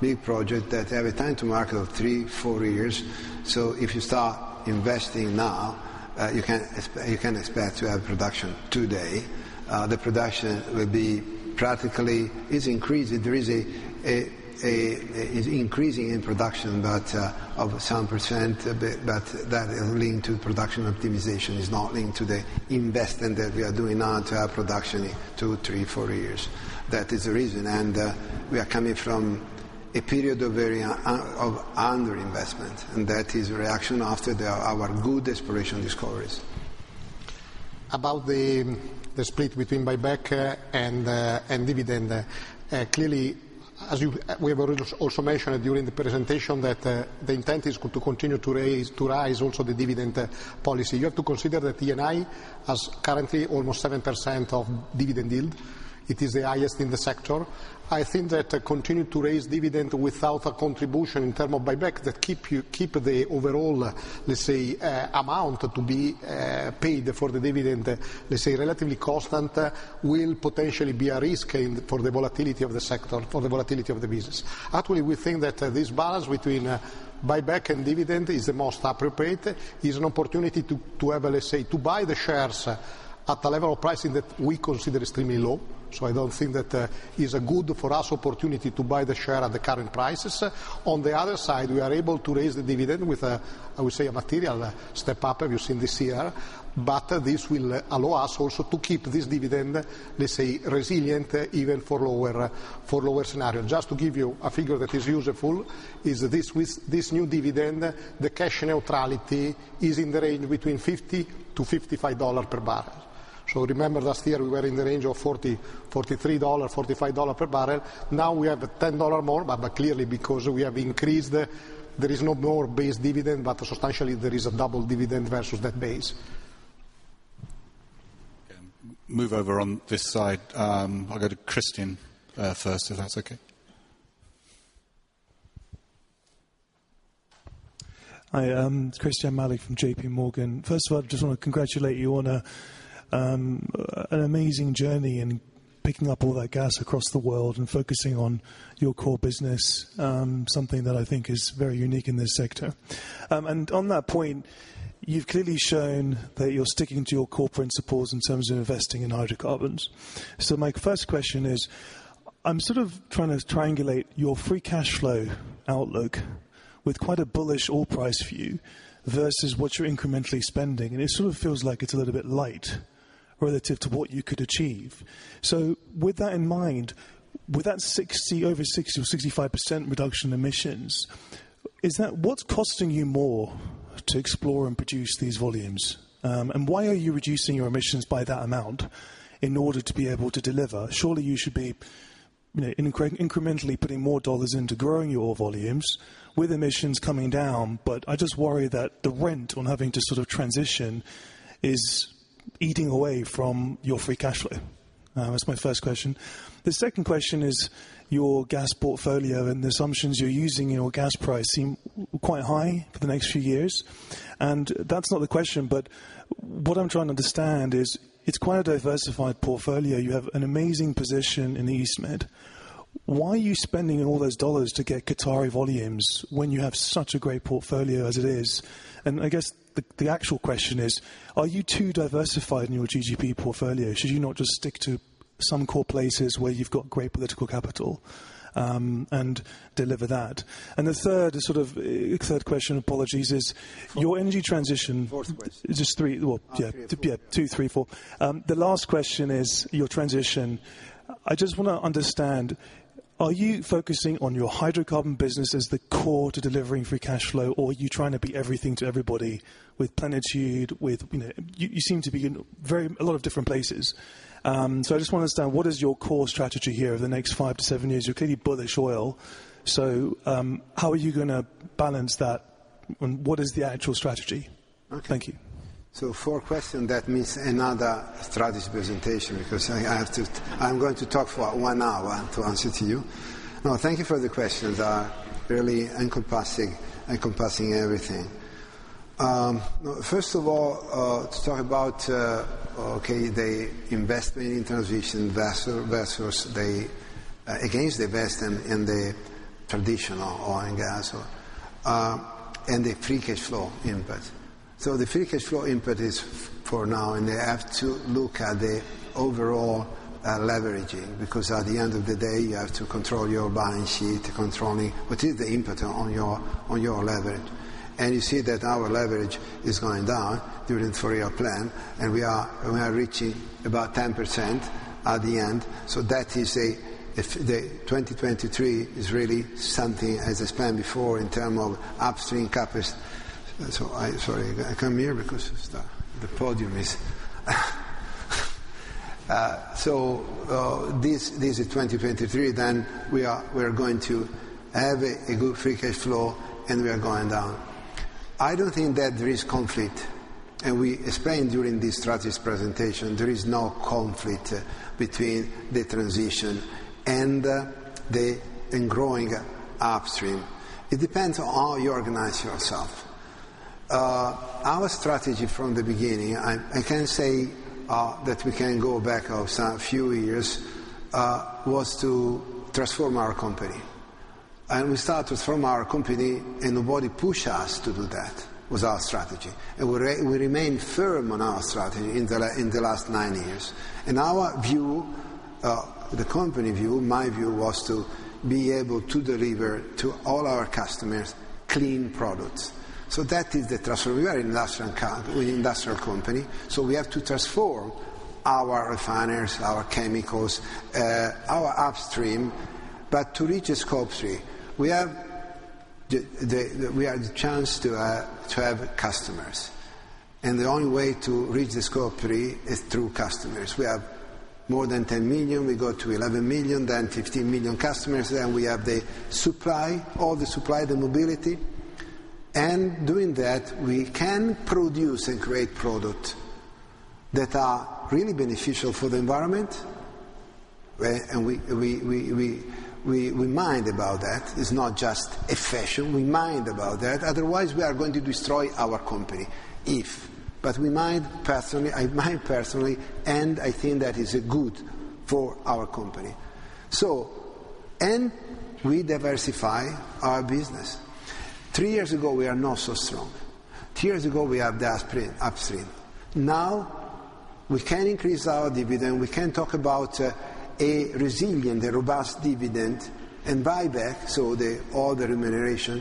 our new project that have a time to market of 3-4 years. If you start investing now, you can expect to have production today. The production will be practically. Is increased. There is a. Is increasing in production, but of some percent that link to production optimization. It's not linked to the investment that we are doing now to have production in 2-4 years. That is the reason. We are coming from a period of very of underinvestment, and that is a reaction after our good exploration discoveries. About the split between buyback and dividend, clearly, We have already also mentioned during the presentation that the intent is to continue to raise also the dividend policy. You have to consider that Eni has currently almost 7% of dividend yield. It is the highest in the sector. I think that continue to raise dividend without a contribution in term of buyback that keep the overall, let's say, amount to be paid for the dividend, let's say, relatively constant will potentially be a risk and for the volatility of the sector, for the volatility of the business. We think that this balance between buyback and dividend is the most appropriate. Is an opportunity to have, let's say, to buy the shares at a level of pricing that we consider extremely low. I don't think that is a good for us opportunity to buy the share at the current prices. On the other side, we are able to raise the dividend with a, I would say, a material step-up as you've seen this year, this will allow us also to keep this dividend, let's say, resilient, even for lower scenario. Just to give you a figure that is useful, is this with this new dividend, the cash neutrality is in the range between $50-$55 per barrel. Remember last year we were in the range of $40, $43, $45 per barrel. Now we have a $10 more, but clearly because we have increased. There is no more base dividend, but substantially there is a double dividend versus that base. Move over on this side. I'll go to Christian first, if that's okay. Hi, it's Christian Malley from JP Morgan. First of all, I just wanna congratulate you on an amazing journey in picking up all that gas across the world and focusing on your core business, something that I think is very unique in this sector. On that point, you've clearly shown that you're sticking to your core principles in terms of investing in hydrocarbons. My first question is, I'm sort of trying to triangulate your free cash flow outlook with quite a bullish oil price view versus what you're incrementally spending, and it sort of feels like it's a little bit light relative to what you could achieve. With that in mind, with that 60, over 60 or 65% reduction emissions, what's costing you more to explore and produce these volumes? Why are you reducing your emissions by that amount in order to be able to deliver? Surely you should be, you know, incrementally putting more $ into growing your volumes with emissions coming down. I just worry that the rent on having to sort of transition is eating away from your free cash flow. That's my first question. The second question is your gas portfolio and the assumptions you're using in your gas price seem quite high for the next few years. That's not the question, what I'm trying to understand is, it's quite a diversified portfolio. You have an amazing position in the East Med. Why are you spending all those $ to get Qatari volumes when you have such a great portfolio as it is? I guess the actual question is, are you too diversified in your GGP portfolio? Should you not just stick to some core places where you've got great political capital? Deliver that. The third is sort of, third question, apologies, is your energy transition. Well, two, three, four. The last question is your transition. I just want to understand, are you focusing on your hydrocarbon business as the core to delivering free cash flow, or are you trying to be everything to everybody with Plenitude, with, you seem to be in very, a lot of different places. I just want to understand, what is your core strategy here over the next five to seven years? You're clearly bullish oil, so, how are you going to balance that, and what is the actual strategy? Thank you. Four question, that means another strategy presentation because I have to I'm going to talk for one hour to answer to you. Thank you for the questions. Really encompassing everything. First of all, to talk about, okay, the investment in transition. Investors, against the investment in the traditional oil and gas or, and the free cash flow input. The free cash flow input is for now, and they have to look at the overall leveraging, because at the end of the day, you have to control your balance sheet, controlling what is the input on your, on your leverage. You see that our leverage is going down during the four-year plan, and we are reaching about 10% at the end. That is a, if the 2023 is really something, as I explained before, in term of upstream CapEx. Sorry, I come here because the podium is. This is 2023, then we are going to have a good free cash flow, and we are going down. I don't think that there is conflict, and we explained during this strategy presentation there is no conflict between the transition and growing upstream. It depends on how you organize yourself. Our strategy from the beginning, I can say, that we can go back of some few years, was to transform our company. We start to transform our company, and nobody push us to do that, was our strategy. We remained firm on our strategy in the last nine years. Our view, the company view, my view, was to be able to deliver to all our customers clean products. That is the transform. We are industrial company, we have to transform our refineries, our chemicals, our upstream. To reach the Scope 3, we have the chance to have customers. The only way to reach the Scope 3 is through customers. We have more than 10 million, we go to 11 million, then 15 million customers. We have the supply, all the supply, the mobility. Doing that, we can produce and create product that are really beneficial for the environment. We mind about that. It's not just a fashion. We mind about that. Otherwise we are going to destroy our company if. We mind personally, I mind personally, and I think that is good for our company. We diversify our business. 3 years ago, we are not so strong. 3 years ago we have the upstream. Now we can increase our dividend, we can talk about a resilient, a robust dividend and buyback, so the all the remuneration,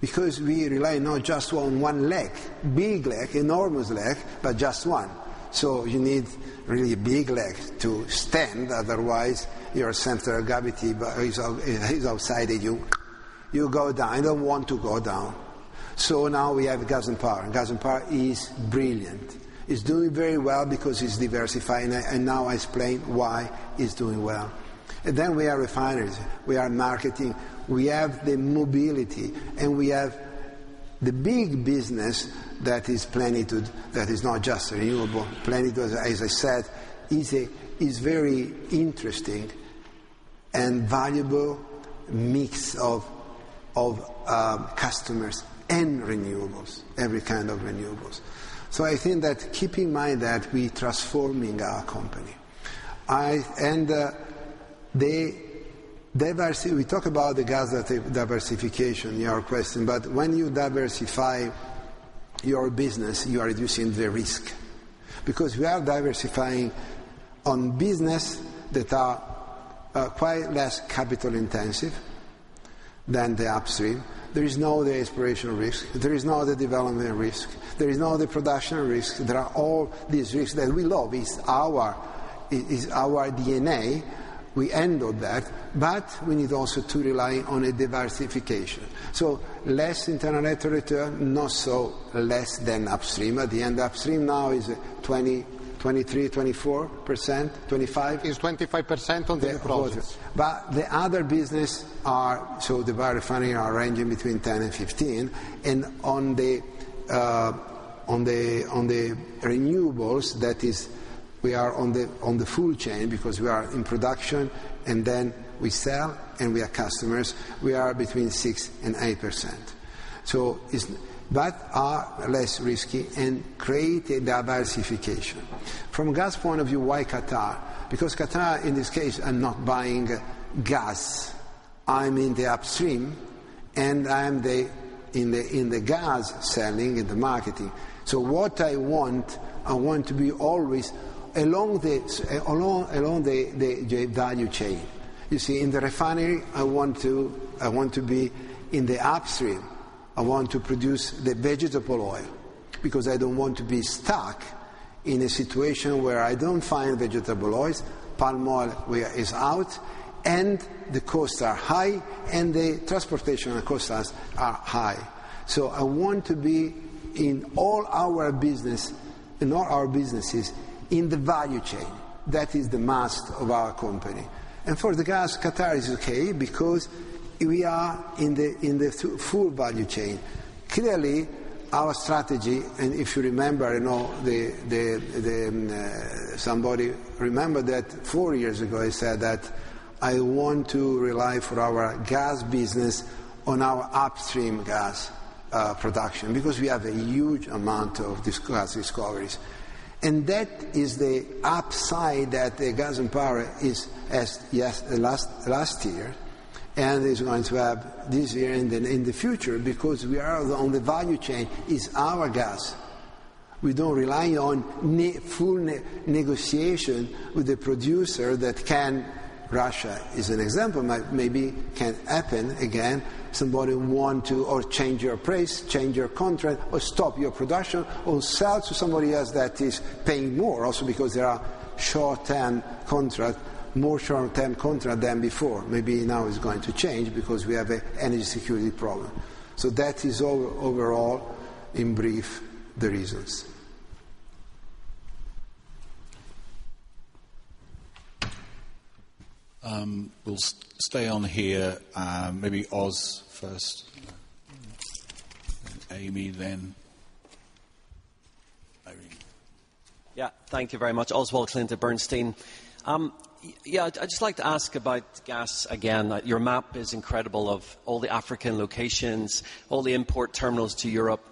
because we rely not just on one leg, big leg, enormous leg, but just one. You need really big legs to stand, otherwise your center of gravity is outside of you. You go down. I don't want to go down. Now we have gas and power, and gas and power is brilliant. It's doing very well because it's diversifying, and now I explain why it's doing well. We are refineries, we are marketing, we have the mobility, and we have the big business that is Plenitude, that is not just renewable. Plenitude, as I said, is a very interesting and valuable mix of customers and renewables, every kind of renewables. I think that keep in mind that we transforming our company. The diversity, we talk about the gas diversification, your question, but when you diversify your business, you are reducing the risk because we are diversifying on business that are quite less capital intensive than the upstream. There is no the inspirational risk. There is no the development risk. There is no the production risk. There are all these risks that we love, is our, is our DNA. We handle that. We need also to rely on a diversification. Less internal rate of return, not so less than upstream. At the end, upstream now is 20%, 23%, 24%, 25%? Is 25% on the projects. The other business. The biorefining are ranging between 10% and 15%. On the renewables, that is we are on the full chain because we are in production and then we sell and we are customers. We are between 6% and 8%. Are less risky and create a diversification. From gas point of view, why Qatar? Qatar, in this case, I'm not buying gas. I'm in the upstream. I am in the gas selling, in the marketing. What I want, I want to be always along the value chain. You see, in the refinery, I want to be in the upstream. I want to produce the vegetable oil because I don't want to be stuck in a situation where I don't find vegetable oils, palm oil where is out, and the costs are high, and the transportation costs are high. I want to be in all our businesses in the value chain. That is the must of our company. For the gas, Qatar is okay because we are in the full value chain. Clearly, our strategy, if you remember, you know, somebody remembered that four years ago I said that I want to rely for our gas business on our upstream gas production because we have a huge amount of these gas discoveries. That is the upside that the gas and power is last year, and is going to have this year and in the future because we are on the value chain, is our gas. We don't rely on negotiation with the producer that can, Russia is an example, maybe can happen again. Somebody want to or change your price, change your contract, or stop your production, or sell to somebody else that is paying more also because there are short-term contract, more short-term contract than before. Maybe now it's going to change because we have a energy security problem. That is overall in brief the reasons. We'll stay on here. Maybe Os first. Amy then Irene. Thank you very much. Oswald Clint, Bernstein. I'd just like to ask about gas again. Your map is incredible of all the African locations, all the import terminals to Europe,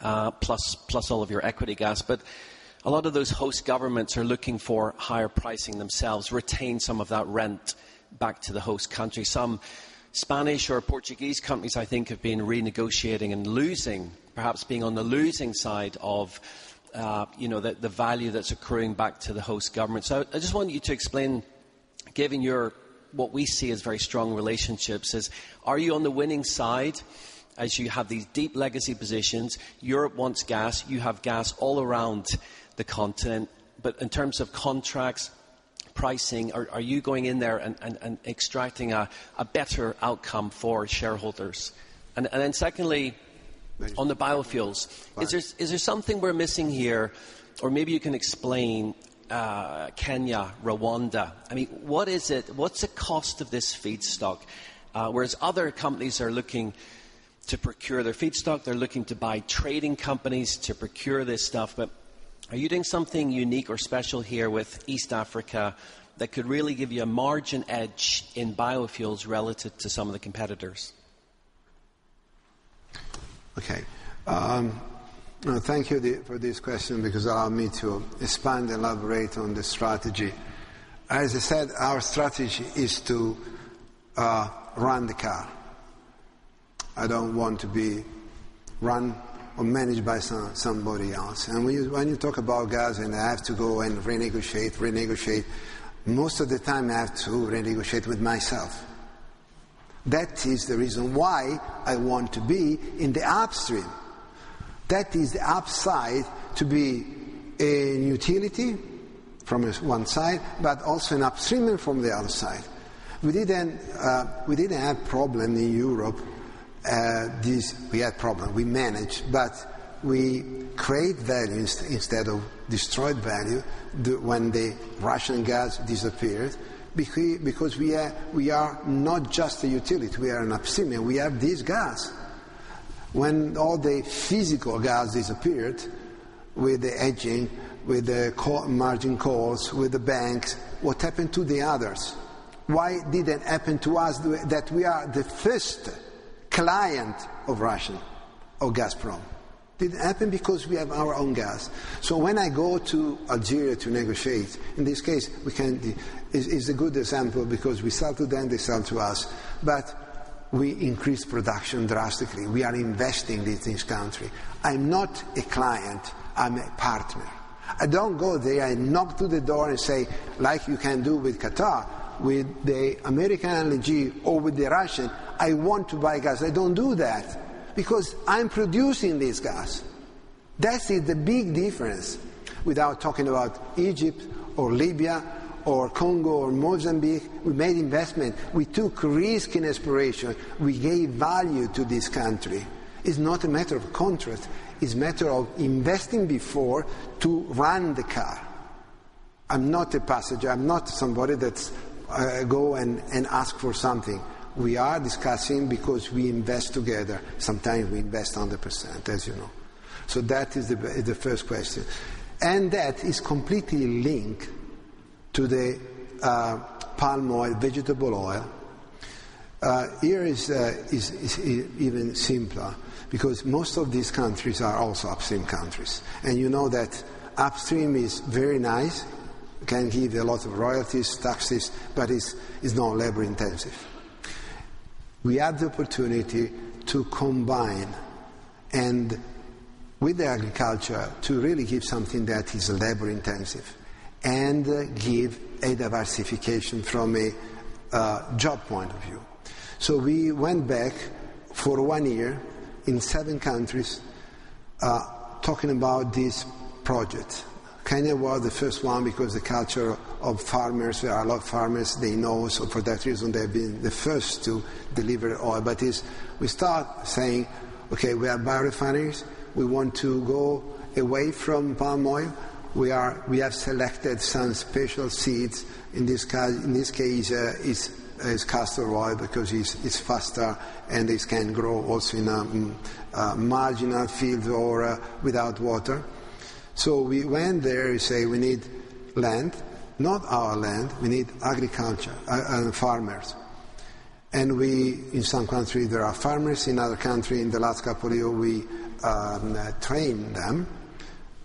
plus all of your equity gas. A lot of those host governments are looking for higher pricing themselves, retain some of that rent back to the host country. Some Spanish or Portuguese companies I think have been renegotiating and losing, perhaps being on the losing side of, you know, the value that's accruing back to the host government. I just want you to explain, given your what we see as very strong relationships is, are you on the winning side as you have these deep legacy positions? Europe wants gas, you have gas all around the continent. In terms of contracts, pricing, are you going in there and extracting a better outcome for shareholders? Then secondly on the biofuels. Is there something we're missing here? Maybe you can explain, Kenya, Rwanda. What is it? What's the cost of this feedstock? Whereas other companies are looking to procure their feedstock, they're looking to buy trading companies to procure this stuff. Are you doing something unique or special here with East Africa that could really give you a margin edge in biofuels relative to some of the competitors? Okay. Thank you the, for this question because it allow me to expand and elaborate on the strategy. As I said, our strategy is to run the car. I don't want to be run or managed by somebody else. When you, when you talk about gas and I have to go and renegotiate, most of the time I have to renegotiate with myself. That is the reason why I want to be in the upstream. That is the upside to be a utility from this one side, but also an upstream from the other side. We didn't, we didn't have problem in Europe. We had problem, we managed, but we create values instead of destroy value when the Russian gas disappeared because we are not just a utility, we are an upstream, we have this gas. When all the physical gas disappeared with the hedging, with the margin calls, with the banks, what happened to the others? Why didn't happen to us the way that we are the first client of Russian or Gazprom? It happened because we have our own gas. When I go to Algeria to negotiate, in this case, is a good example because we sell to them, they sell to us, but we increase production drastically. We are investing in this country. I'm not a client, I'm a partner. I don't go there, I knock through the door and say, like you can do with Qatar, with the American LNG or with the Russian, "I want to buy gas." I don't do that because I'm producing this gas. That is the big difference without talking about Egypt or Libya or Congo or Mozambique. We made investment. We took risk in exploration. We gave value to this country. It's not a matter of contract, it's a matter of investing before to run the car. I'm not a passenger. I'm not somebody that's go and ask for something. We are discussing because we invest together. Sometimes we invest 100%, as you know. That is the first question. That is completely linked to the palm oil, vegetable oil. Here is even simpler because most of these countries are also upstream countries. You know that upstream is very nice. Can give a lot of royalties, taxes, but is not labor intensive. We have the opportunity to combine and with the agriculture to really give something that is labor intensive and give a diversification from a job point of view. We went back for 1 year in 7 countries, talking about this project. Kenya was the first one because the culture of farmers, there are a lot of farmers they know, so for that reason they've been the first to deliver oil. is we start saying, "Okay, we are biorefineries. We want to go away from palm oil. We have selected some special seeds." In this case, is castor oil because it's faster and this can grow also in marginal fields or without water. We went there and say, "We need land. Not our land, we need agriculture farmers." We in some country there are farmers. In other country in the last couple of year, we train them.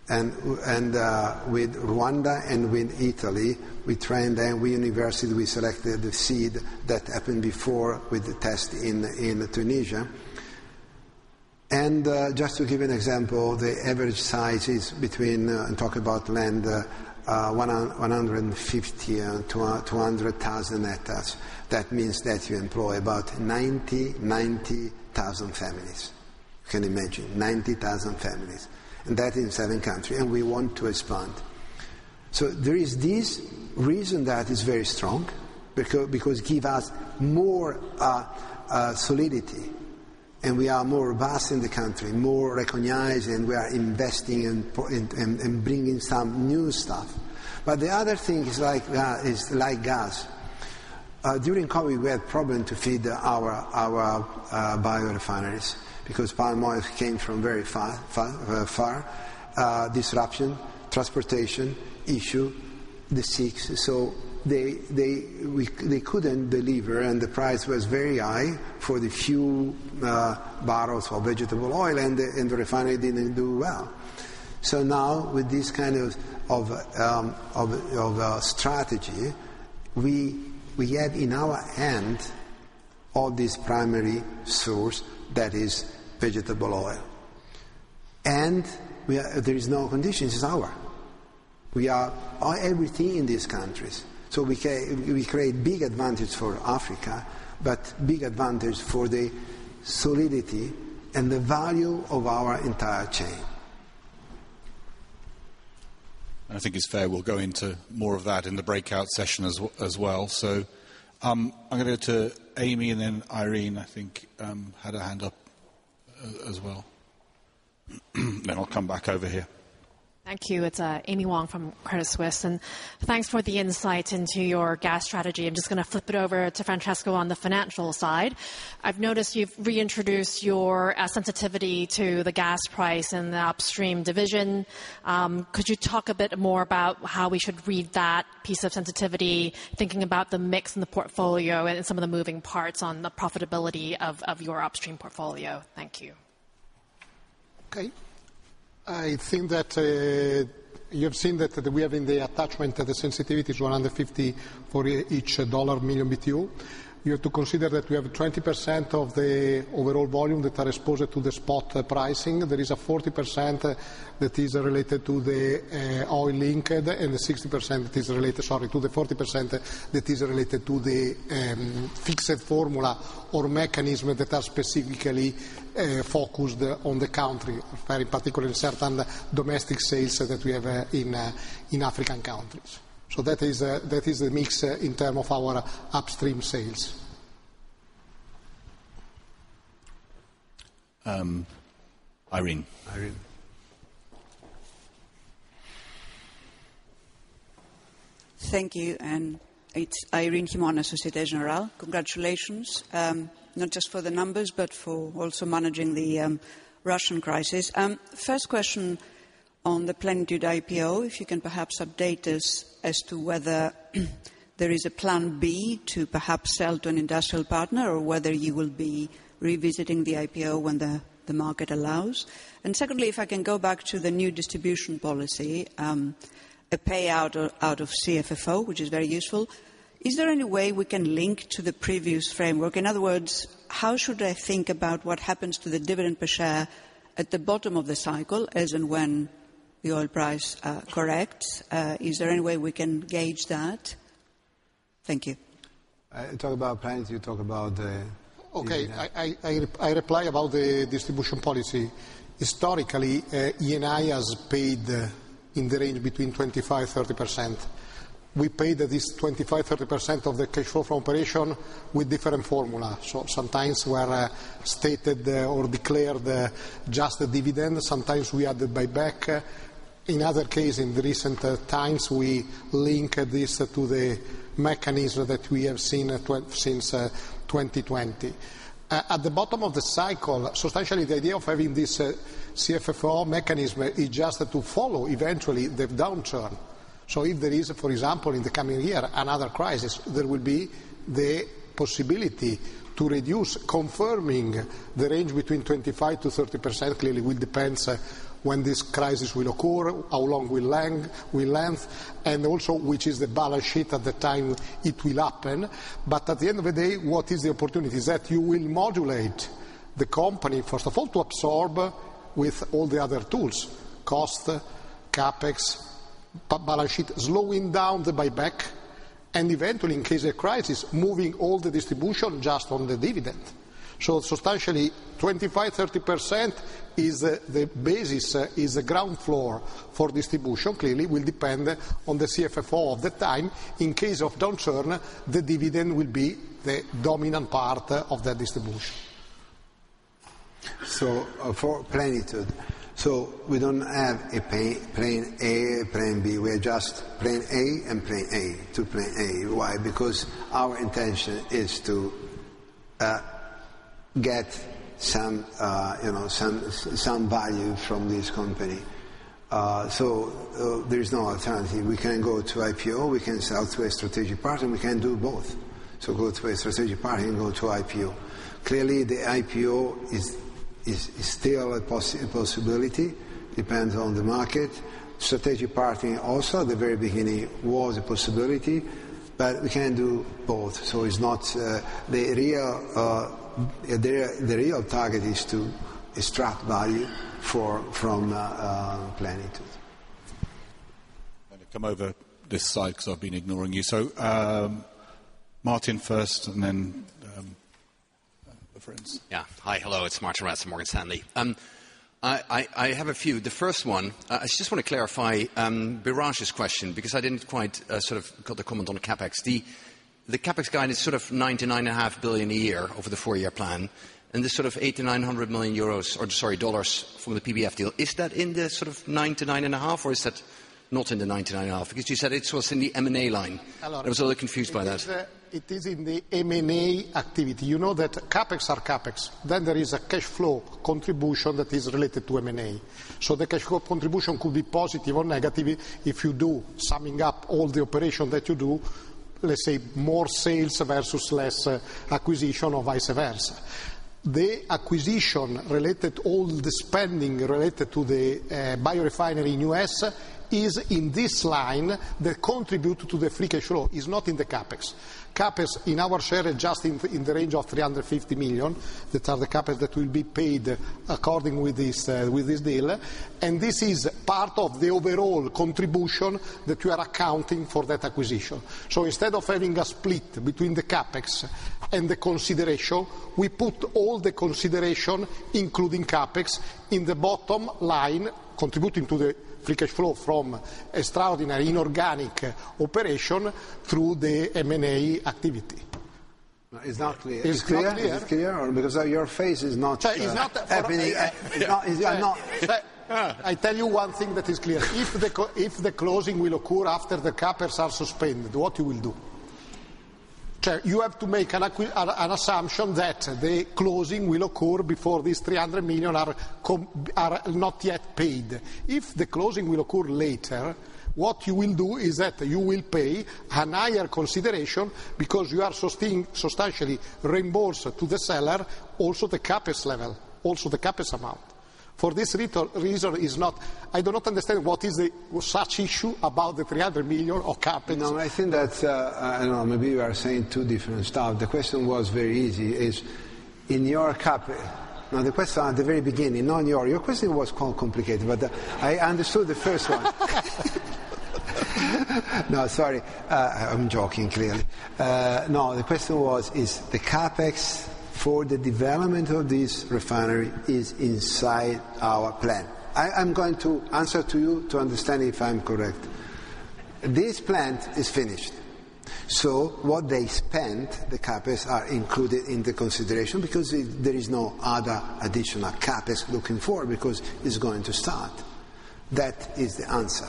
With Rwanda and with Italy, we train them. We universally selected the seed that happened before with the test in Tunisia. Just to give you an example, the average size is between, talk about land, 150,000-200,000 hectares. That means that you employ about 90,000 families. You can imagine, 90,000 families, and that in 7 country, and we want to expand. There is this reason that is very strong because give us more solidity, and we are more vast in the country, more recognized, and we are investing and bringing some new stuff. The other thing is like gas. During COVID, we had problem to feed our biorefineries because palm oil came from very far, far, far. Disruption, transportation issue, the seas. They couldn't deliver, and the price was very high for the few barrels of vegetable oil, and the refinery didn't do well. Now with this kind of strategy, we had in our hand all this primary source that is vegetable oil. There is no conditions, it's our. We are everything in these countries. We create big advantage for Africa, but big advantage for the solidity and the value of our entire chain. I think it's fair we'll go into more of that in the breakout session as well. I'm gonna go to Amy and then Irene, I think, had her hand up as well. I'll come back over here. Thank you. It's Amy Wong from Credit Suisse, thanks for the insight into your gas strategy. I'm just gonna flip it over to Francesco on the financial side. I've noticed you've reintroduced your sensitivity to the gas price in the upstream division. Could you talk a bit more about how we should read that piece of sensitivity, thinking about the mix in the portfolio and some of the moving parts on the profitability of your upstream portfolio? Thank you. Okay. I think that you've seen that we have in the attachment the sensitivity is 150 for each dollar million BTU. You have to consider that we have 20% of the overall volume that are exposed to the spot pricing. There is a 40% that is related to the oil linked, and the 40% that is related to the fixed formula or mechanism that are specifically focused on the country, very particularly in certain domestic sales that we have in African countries. That is the mix in term of our upstream sales. Irene. Thank you. It's Irene Himona, Société Générale. Congratulations, not just for the numbers, but for also managing the Russian crisis. First question on the Plenitude IPO, if you can perhaps update us as to whether there is a plan B to perhaps sell to an industrial partner or whether you will be revisiting the IPO when the market allows. Secondly, if I can go back to the new distribution policy, a payout out of CFFO, which is very useful. Is there any way we can link to the previous framework? In other words, how should I think about what happens to the dividend per share at the bottom of the cycle, as and when the oil price corrects? Is there any way we can gauge that? Thank you. You talk about plans, you talk about, Eni. Okay. I reply about the distribution policy. Historically, Eni has paid in the range between 25%, 30%. We paid this 25%, 30% of the cash flow from operation with different formula. Sometimes we are stated or declared just the dividend, sometimes we add the buyback. In other case, in the recent times, we link this to the mechanism that we have seen since 2020. At the bottom of the cycle, substantially the idea of having this CFFO mechanism is just to follow eventually the downturn. If there is, for example, in the coming year, another crisis, there will be the possibility to reduce, confirming the range between 25%-30% clearly will depends. When this crisis will occur, how long will length, also which is the balance sheet at the time it will happen. At the end of the day, what is the opportunity? Is that you will modulate the company, first of all, to absorb with all the other tools: cost, CapEx, balance sheet, slowing down the buyback, and eventually in case of crisis, moving all the distribution just on the dividend. Substantially 25%, 30% is the basis, is the ground floor for distribution. Clearly will depend on the CFFO of the time. In case of downturn, the dividend will be the dominant part of the distribution. For Plenitude. We don't have a plane A, plane B. We have just plane A and plane A to plane A. Why? Because our intention is to get some, you know, some value from this company. There is no alternative. We can go to IPO, we can sell to a strategic partner, we can do both. Go to a strategic partner and go to IPO. Clearly, the IPO is still a possibility, depends on the market. Strategic partner also at the very beginning was a possibility, but we can do both. The real target is to extract value for, from Plenitude. Let me come over this side because I've been ignoring you. Martin first, and then, friends. Hi, hello, it's Martijn Rats from Morgan Stanley. I have a few. The first one, I just wanna clarify Biraj's question because I didn't quite got the comment on CapEx. The CapEx guide is 9 billion-9.5 billion a year over the 4-year plan, and this 800 million to 900 million euros, or sorry, $800 million to $900 million for the PBF deal. Is that in the 9 billion to 9.5 billion, or is that not in the 9 billion to 9.5 billion? You said it was in the M&A line. Hello. I was a little confused by that. It is in the M&A activity. You know that CapEx are CapEx, there is a cash flow contribution that is related to M&A. The cash flow contribution could be positive or negative if you do summing up all the operation that you do, let's say more sales versus less acquisition or vice versa. The acquisition related all the spending related to the biorefinery in U.S. is in this line that contribute to the free cash flow. It's not in the CapEx. CapEx in our share is just in the range of 350 million. That are the CapEx that will be paid according with this deal. This is part of the overall contribution that you are accounting for that acquisition. Instead of having a split between the CapEx and the consideration, we put all the consideration, including CapEx, in the bottom line, contributing to the free cash flow from extraordinary inorganic operation through the M&A activity. It's not clear. I tell you one thing that is clear. If the closing will occur after the CapEx are suspended, what you will do? You have to make an assumption that the closing will occur before these 300 million are not yet paid. If the closing will occur later, what you will do is that you will pay an higher consideration because you are substantially reimbursed to the seller also the CapEx level, also the CapEx amount. For this reason is not. I do not understand what is the such issue about the 300 million of CapEx. No, I think that, I don't know, maybe we are saying two different stuff. The question was very easy. Is in your CapEx? The question at the very beginning. Not your question was complicated, but I understood the first one. No, sorry. I'm joking, clearly. The question was, is the CapEx for the development of this refinery inside our plan? I'm going to answer to you to understand if I'm correct. This plant is finished. What they spent, the CapEx, are included in the consideration because there is no other additional CapEx looking forward because it's going to start. That is the answer.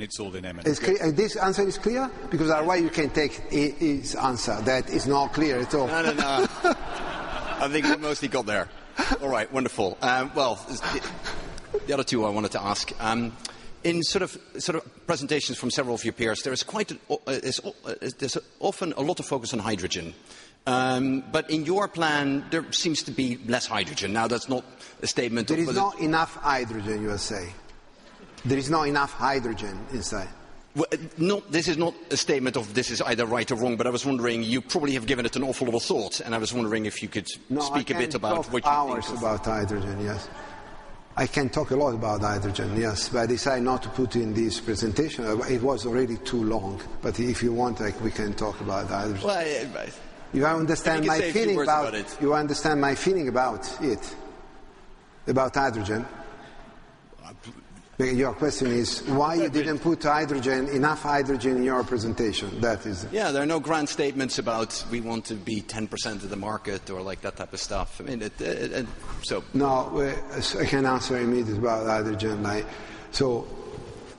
It's all in M&A. It's clear? This answer is clear? Otherwise you can take his answer that is not clear at all. I think we mostly got there. All right. Wonderful. Well, the other two I wanted to ask, in sort of presentations from several of your peers, there is quite an, there's often a lot of focus on hydrogen. In your plan, there seems to be less hydrogen. Now, that's not a statement of- There is not enough hydrogen, you are saying? There is not enough hydrogen inside. Well, no, this is not a statement of this is either right or wrong, but I was wondering, you probably have given it an awful lot of thought, and I was wondering if you could speak a bit about what you think? No, I can talk for hours about hydrogen, yes. I can talk a lot about hydrogen, yes. I decided not to put in this presentation. It was already too long. If you want, like, we can talk about hydrogen. Well, yeah. I think you said a few words about it. You understand my feeling about it, about hydrogen. Your question is why you didn't put hydrogen, enough hydrogen in your presentation. That is it. Yeah, there are no grand statements about we want to be 10% of the market or, like, that type of stuff. I mean. I can answer immediately about hydrogen.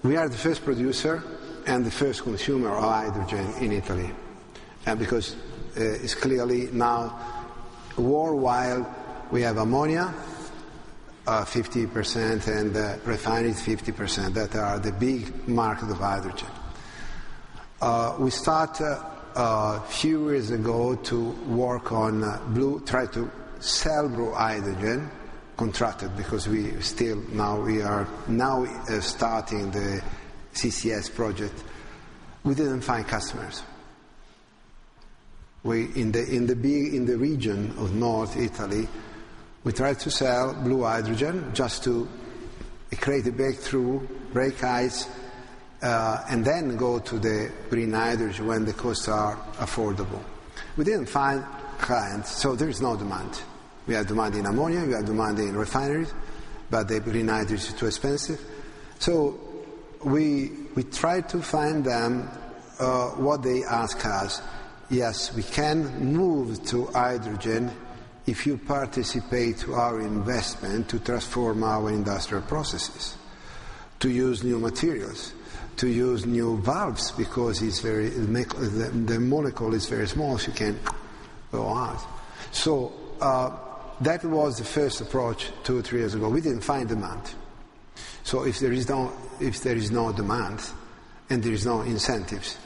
We are the first producer and the first consumer of hydrogen in Italy because it's clearly now worldwide we have ammonia, 50% and refinery 50% that are the big market of hydrogen. We start a few years ago to work on try to sell blue hydrogen, contracted because we still now we are now starting the CCS project. We didn't find customers. In the region of North Italy, we tried to sell blue hydrogen just to create a breakthrough, break ice, and then go to the green hydrogen when the costs are affordable. We didn't find clients, so there is no demand. We have demand in ammonia, we have demand in refineries, but the green hydrogen is too expensive. We tried to find them, what they ask us. Yes, we can move to hydrogen if you participate to our investment to transform our industrial processes, to use new materials, to use new valves because it's very The molecule is very small, so you can go out. That was the first approach two, three years ago. We didn't find demand. If there is no demand and there is no incentives,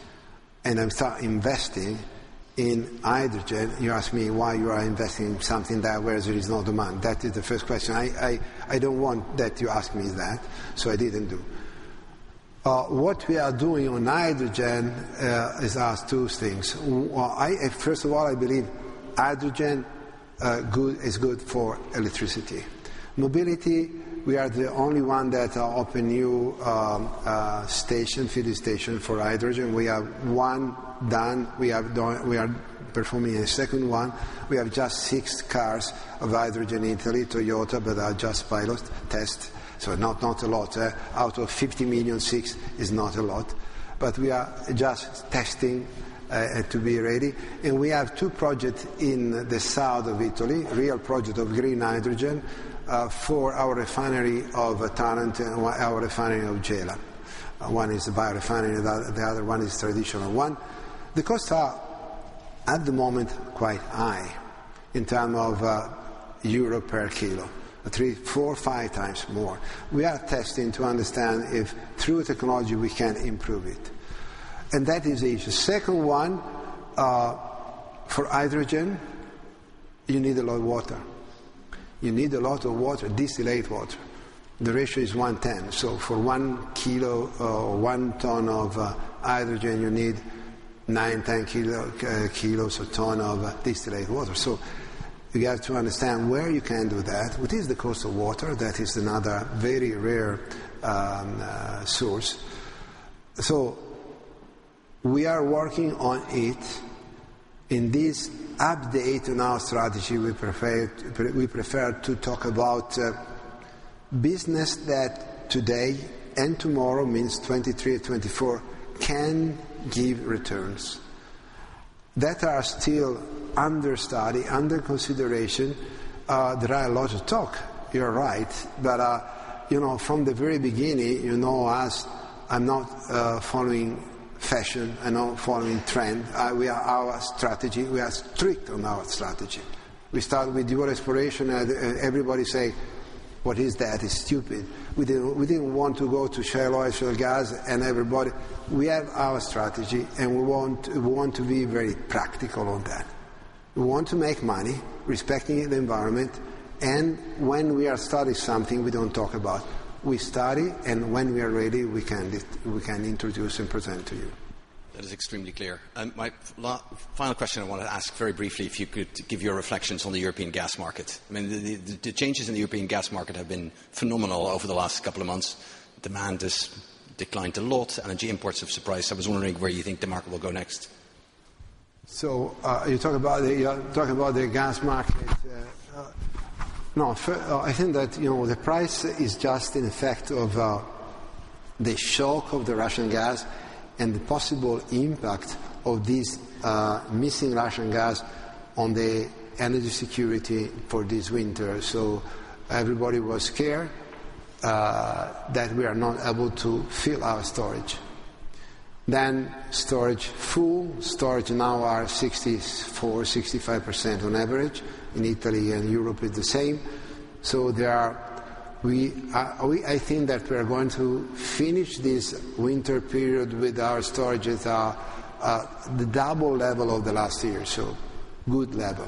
and I'm start investing in hydrogen, you ask me why you are investing something that whereas there is no demand. That is the first question. I don't want that you ask me that, so I didn't do. What we are doing on hydrogen, is as two things. First of all, I believe hydrogen, good is good for electricity. Mobility, we are the only one that open new station, feeding station for hydrogen. We have one done. We are performing a second one. We have just 6 cars of hydrogen in Italy, Toyota, are just pilot test. Not a lot. Out of 50 million, 6 is not a lot. We are just testing to be ready. We have 2 projects in the south of Italy, real project of green hydrogen, for our refinery of Taranto and our refinery of Gela. One is a biorefinery, the other one is traditional one. The costs are at the moment quite high in term of EUR per kilo, 3x, 4x, 5x more. We are testing to understand if through technology we can improve it. That is the issue. Second one, for hydrogen, you need a lot of water. You need a lot of water, distilled water. The ratio is 1/10. For 1 kilo, 1 ton of hydrogen you need 9-10 kilos or ton of distilled water. You have to understand where you can do that. What is the cost of water? That is another very rare source. We are working on it. In this update in our strategy we prefer to talk about business that today and tomorrow, means 2023 or 2024, can give returns that are still under study, under consideration. There are a lot of talk, you're right. You know, from the very beginning you know us. I'm not following fashion. I'm not following trend. We are our strategy. We are strict on our strategy. We start with Dual Exploration and everybody say, "What is that? It's stupid." We didn't want to go to Shale Oil, Shale Gas and everybody. We have our strategy and we want to be very practical on that. We want to make money respecting the environment. When we are study something we don't talk about, we study. When we are ready we can introduce and present to you. That is extremely clear. My final question I wanna ask very briefly, if you could give your reflections on the European Gas Market. The changes in the European gas market have been phenomenal over the last couple of months. Demand has declined a lot. Energy imports have surprised. I was wondering where you think the market will go next. You're talking about the gas market. No, I think that the price is just an effect of the shock of the Russian gas and the possible impact of this missing Russian gas on the energy security for this winter. Everybody was scared that we are not able to fill our storage. Storage full. Storage now are 64%-65% on average. In Italy and Europe is the same. We are, I think that we are going to finish this winter period with our storages are the double level of the last year, so good level.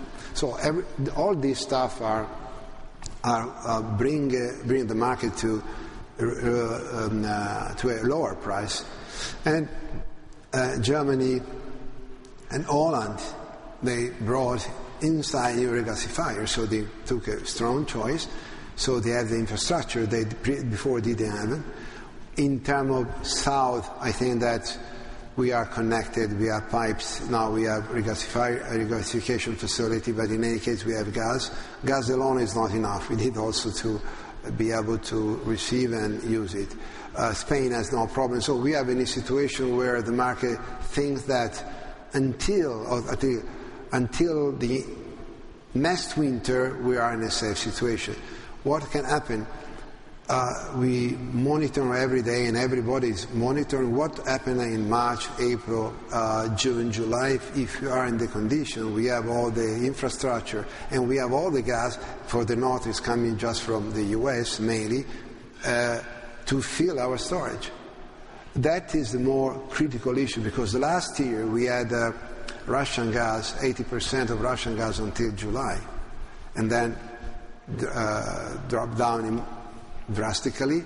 All this stuff are bring the market to a lower price. Germany and Holland, they brought inside here a gasifier. They took a strong choice. They had the infrastructure, before they didn't have it. In terms of South, I think that we are connected, we have pipes now. We have regasification facility, but in any case we have gas. Gas alone is not enough. We need also to be able to receive and use it. Spain has no problem. We have a situation where the market thinks that until the next winter, we are in a safe situation. What can happen? We monitor every day and everybody's monitoring what happened in March, April, June, July. If you are in the condition, we have all the infrastructure and we have all the gas for the north is coming just from the U.S. mainly. To fill our storage. That is the more critical issue, because the last year we had Russian gas, 80% of Russian gas until July, and then drop down drastically.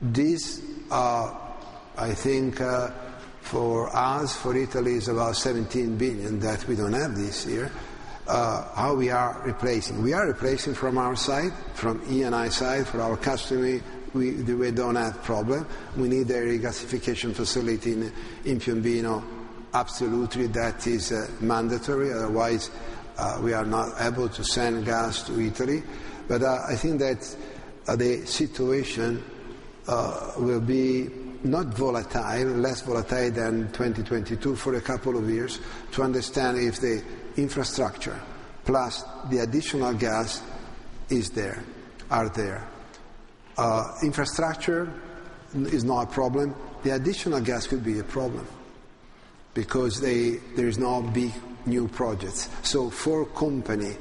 These are for us, for Italy, is about 17 billion that we don't have this year. How we are replacing? We are replacing from our side, from Eni side. For our customer, we don't have problem. We need a regasification facility in Piombino. Absolutely, that is mandatory. Otherwise, we are not able to send gas to Italy. I think that the situation will be not volatile, less volatile than 2022 for a couple of years to understand if the infrastructure plus the additional gas is there, are there. Infrastructure is not a problem. The additional gas could be a problem because there's no big new projects. For a company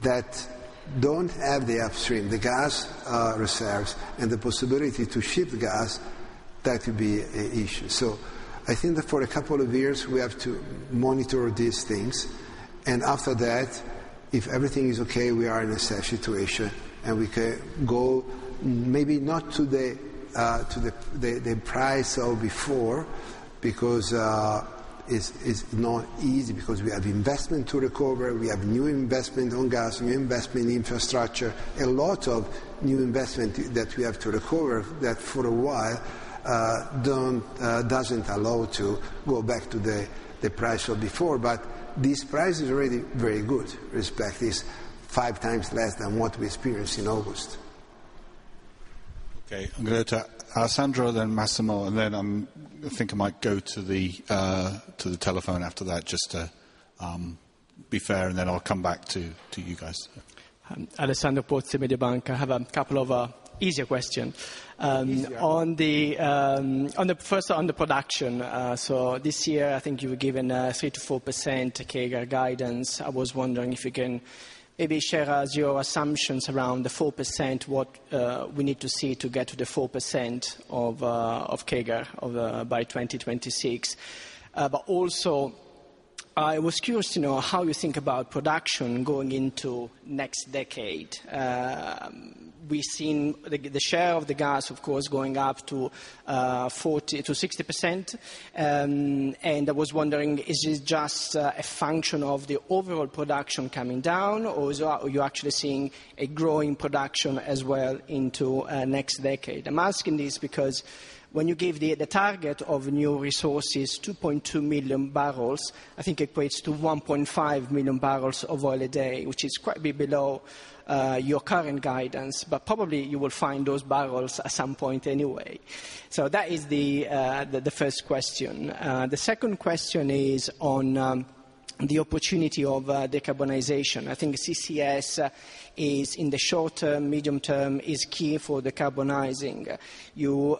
that don't have the upstream, the gas reserves and the possibility to ship gas, that could be an issue. I think that for a couple of years we have to monitor these things, and after that, if everything is okay, we are in a safe situation, and we can go maybe not to the price of before because it's not easy because we have investment to recover. We have new investment on gas, new investment in infrastructure, a lot of new investment that we have to recover that for a while, doesn't allow to go back to the price of before. This price is really very good. Respect is 5x less than what we experienced in August. Okay. I'm going to Alessandro, then Massimo, and then, I think I might go to the telephone after that just to be fair, and then I'll come back to you guys. Alessandro Pozzi, Mediobanca. I have a couple of easier question. Easier. On the first on the production, this year I think you've given a 3%-4% CAGR guidance. I was wondering if you can maybe share us your assumptions around the 4%, what we need to see to get to the 4% of CAGR by 2026. Also, I was curious to know how you think about production going into next decade. We've seen the share of the gas, of course, going up to 40%-60%. I was wondering, is this just a function of the overall production coming down, or are you actually seeing a growing production as well into next decade? I'm asking this because when you give the target of new resources, 2.2 million barrels, I think equates to 1.5 million barrels of oil a day, which is quite a bit below your current guidance. Probably you will find those barrels at some point anyway. That is the first question. The second question is on the opportunity of decarbonization. I think CCS is in the short term, medium term, is key for decarbonizing. You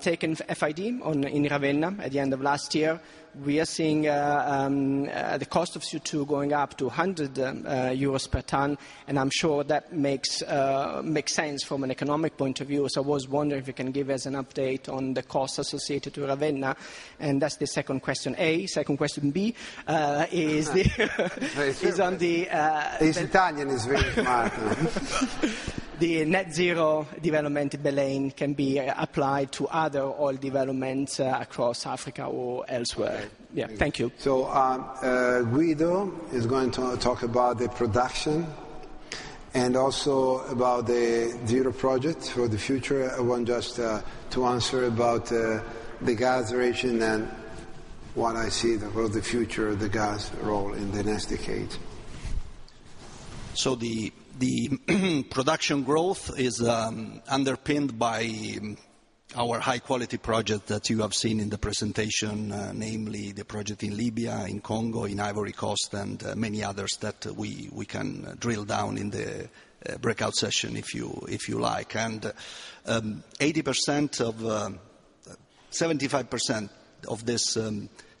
taken FID on in Ravenna at the end of last year. We are seeing the cost of C2 going up to 100 euros per ton, and I'm sure that makes sense from an economic point of view. I was wondering if you can give us an update on the costs associated to Ravenna. That's the second question A. Second question B, is on the net zero development at Baleine can be applied to other oil developments, across Africa or elsewhere. Yeah. Thank you. Guido is going to talk about the production and also about the zero project for the future. I want just to answer about the gas ration and what I see the world, the future of the gas role in the next decade. The production growth is underpinned by our high-quality project that you have seen in the presentation, namely the project in Libya, in Congo, in Ivory Coast, and many others that we can drill down in the breakout session if you like. 75% of this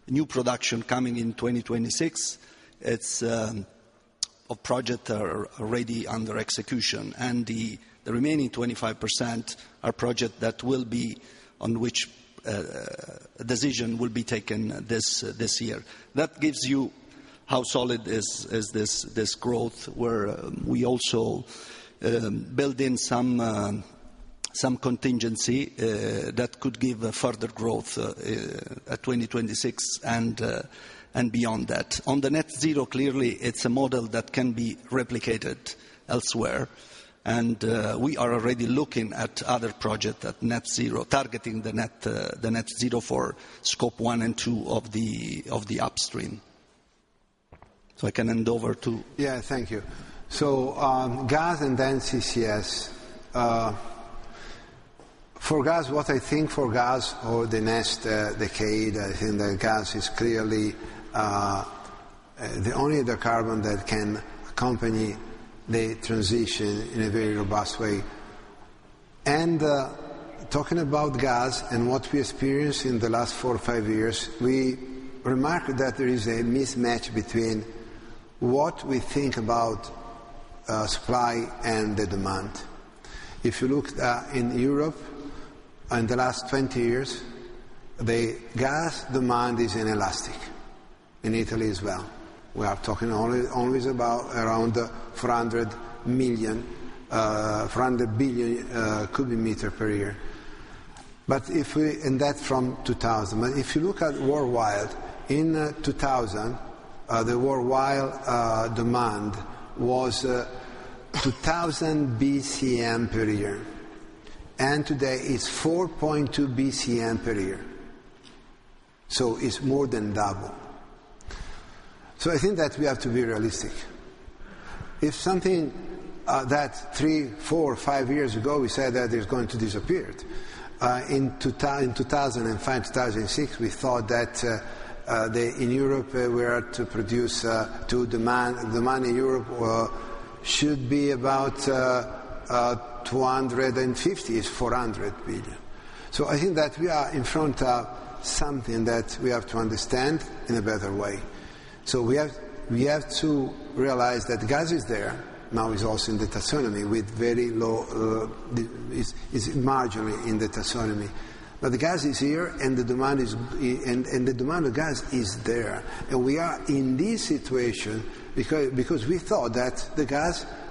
new production coming in 2026, it's a project are already under execution, and the remaining 25% are project that will be on which a decision will be taken this year. That gives you how solid is this growth, where we also build in some contingency that could give a further growth at 2026 and beyond that. On the net zero, clearly, it's a model that can be replicated elsewhere. We are already looking at other project at net zero, targeting the net zero for Scope 1 and 2 of the upstream. I can hand over. Yeah. Thank you. Gas and then CCS. For gas, what I think for gas for the next decade, I think the gas is clearly the only other carbon that can accompany the transition in a very robust way. Talking about gas and what we experienced in the last 4 or 5 years, we remarked that there is a mismatch between what we think about supply and the demand. If you look in Europe in the last 20 years, the gas demand is inelastic. In Italy as well. We are talking only is about around 400 billion cubic meter per year. That from 2000. If you look at worldwide, in 2000, the worldwide demand was 2,000 BCM per year. Today it's 4.2 BCM per year. It's more than double. I think that we have to be realistic. If something that 3, 4, 5 years ago we said that is going to disappear. In 2005, 2006, we thought that in Europe we are to produce, to demand in Europe were, should be about 250, 400 billion. I think that we are in front of something that we have to understand in a better way. We have to realize that gas is there. Now is also in the taxonomy with very low, it's marginally in the taxonomy. The gas is here and the demand is, and the demand of gas is there. We are in this situation because we thought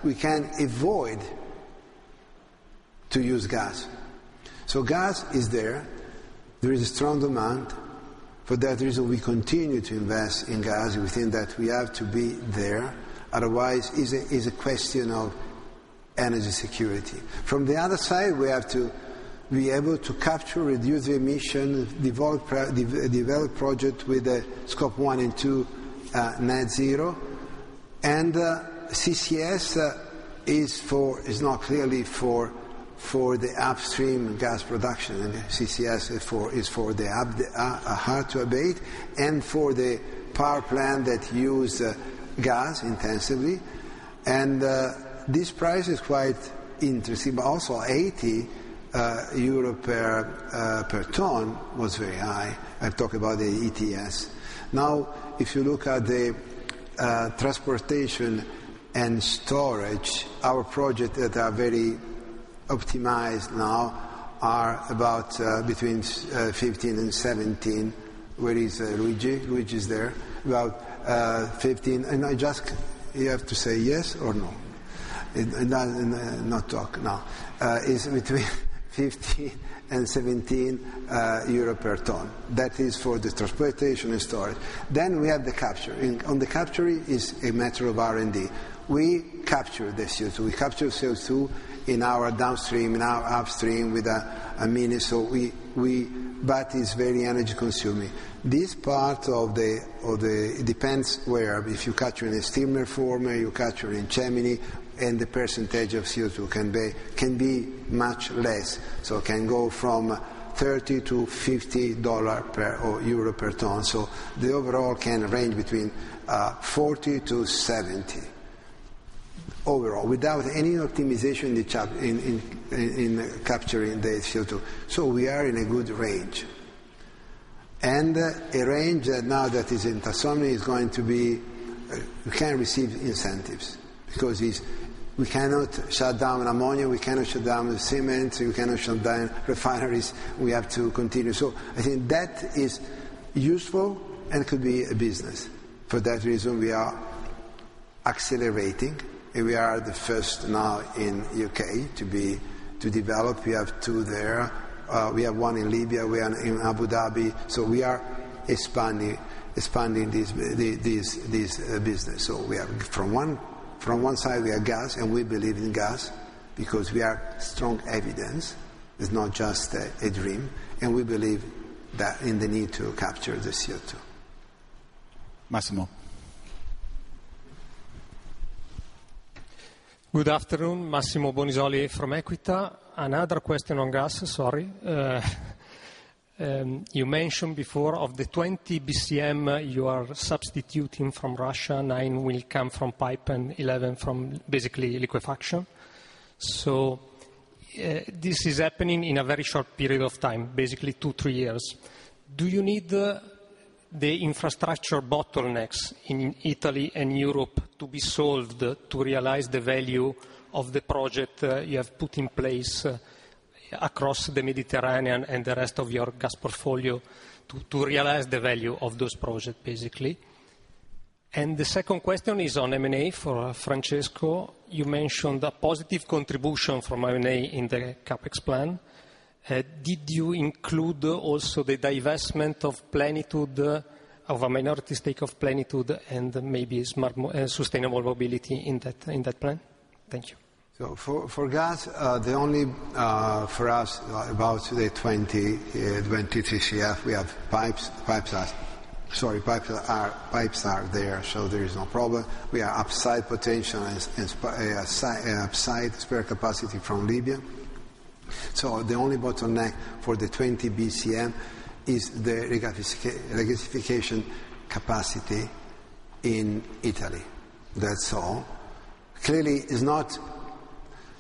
we can avoid to use gas. Gas is there. There is a strong demand. For that reason, we continue to invest in gas. We think that we have to be there. Otherwise, is a question of energy security. From the other side, we have to be able to capture, reduce emission, develop project with a Scope 1 and 2 net zero. CCS is not clearly for the upstream gas production. CCS is for hard to abate and for the power plant that use gas intensively. This price is quite interesting. Also 80 euro per ton was very high. I'm talking about the ETS. If you look at the transportation and storage, our project that are very optimized now are about between 15 and 17. Where is Luigi? Luigi is there. About 15. You have to say yes or no. Not talk, no. It's between 15 and 17 euro per ton. That is for the transportation and storage. We have the capture. On the capture, it's a matter of R&D. We capture the CO2. We capture CO2 in our downstream, in our upstream with a mini. Is very energy-consuming. Depends where. If you capture in a steam reformer, you capture in chimney, and the percentage of CO2 can be much less. It can go from $30 or EUR 50 per ton. The overall can range between 40 to 70 overall without any optimization in each other, in capturing the CO2. We are in a good range. A range now that is in taxonomy is going to be, we can receive incentives because we cannot shut down ammonia, we cannot shut down the cement, we cannot shut down refineries. We have to continue. I think that is useful and could be a business. For that reason we are accelerating, and we are the first now in U.K. to be, to develop. We have two there. We have one in Libya. We are in Abu Dhabi. We are expanding this business. We are from one side we are gas, and we believe in gas because we are strong evidence. It's not just a dream. We believe that in the need to capture the CO2. Massimo. Good afternoon, Massimo Bonisoli from Equita. Another question on gas, sorry. You mentioned before of the 20 BCM you are substituting from Russia, nine will come from pipe and 11 from basically liquefaction. This is happening in a very short period of time, basically two, three years. Do you need the infrastructure bottlenecks in Italy and Europe to be solved to realize the value of the project you have put in place across the Mediterranean and the rest of your gas portfolio to realize the value of those projects, basically? The second question is on M&A for Francesco. You mentioned a positive contribution from M&A in the CapEx plan. Did you include also the divestment of Plenitude, of a minority stake of Plenitude and maybe Sustainable Mobility in that plan? Thank you. For gas, the only for us about the 20 TCF, we have pipes. Sorry, pipes are there, so there is no problem. We are upside potential as upside spare capacity from Libya. The only bottleneck for the 20 BCM is the regasification capacity in Italy. That's all. Clearly, it's not.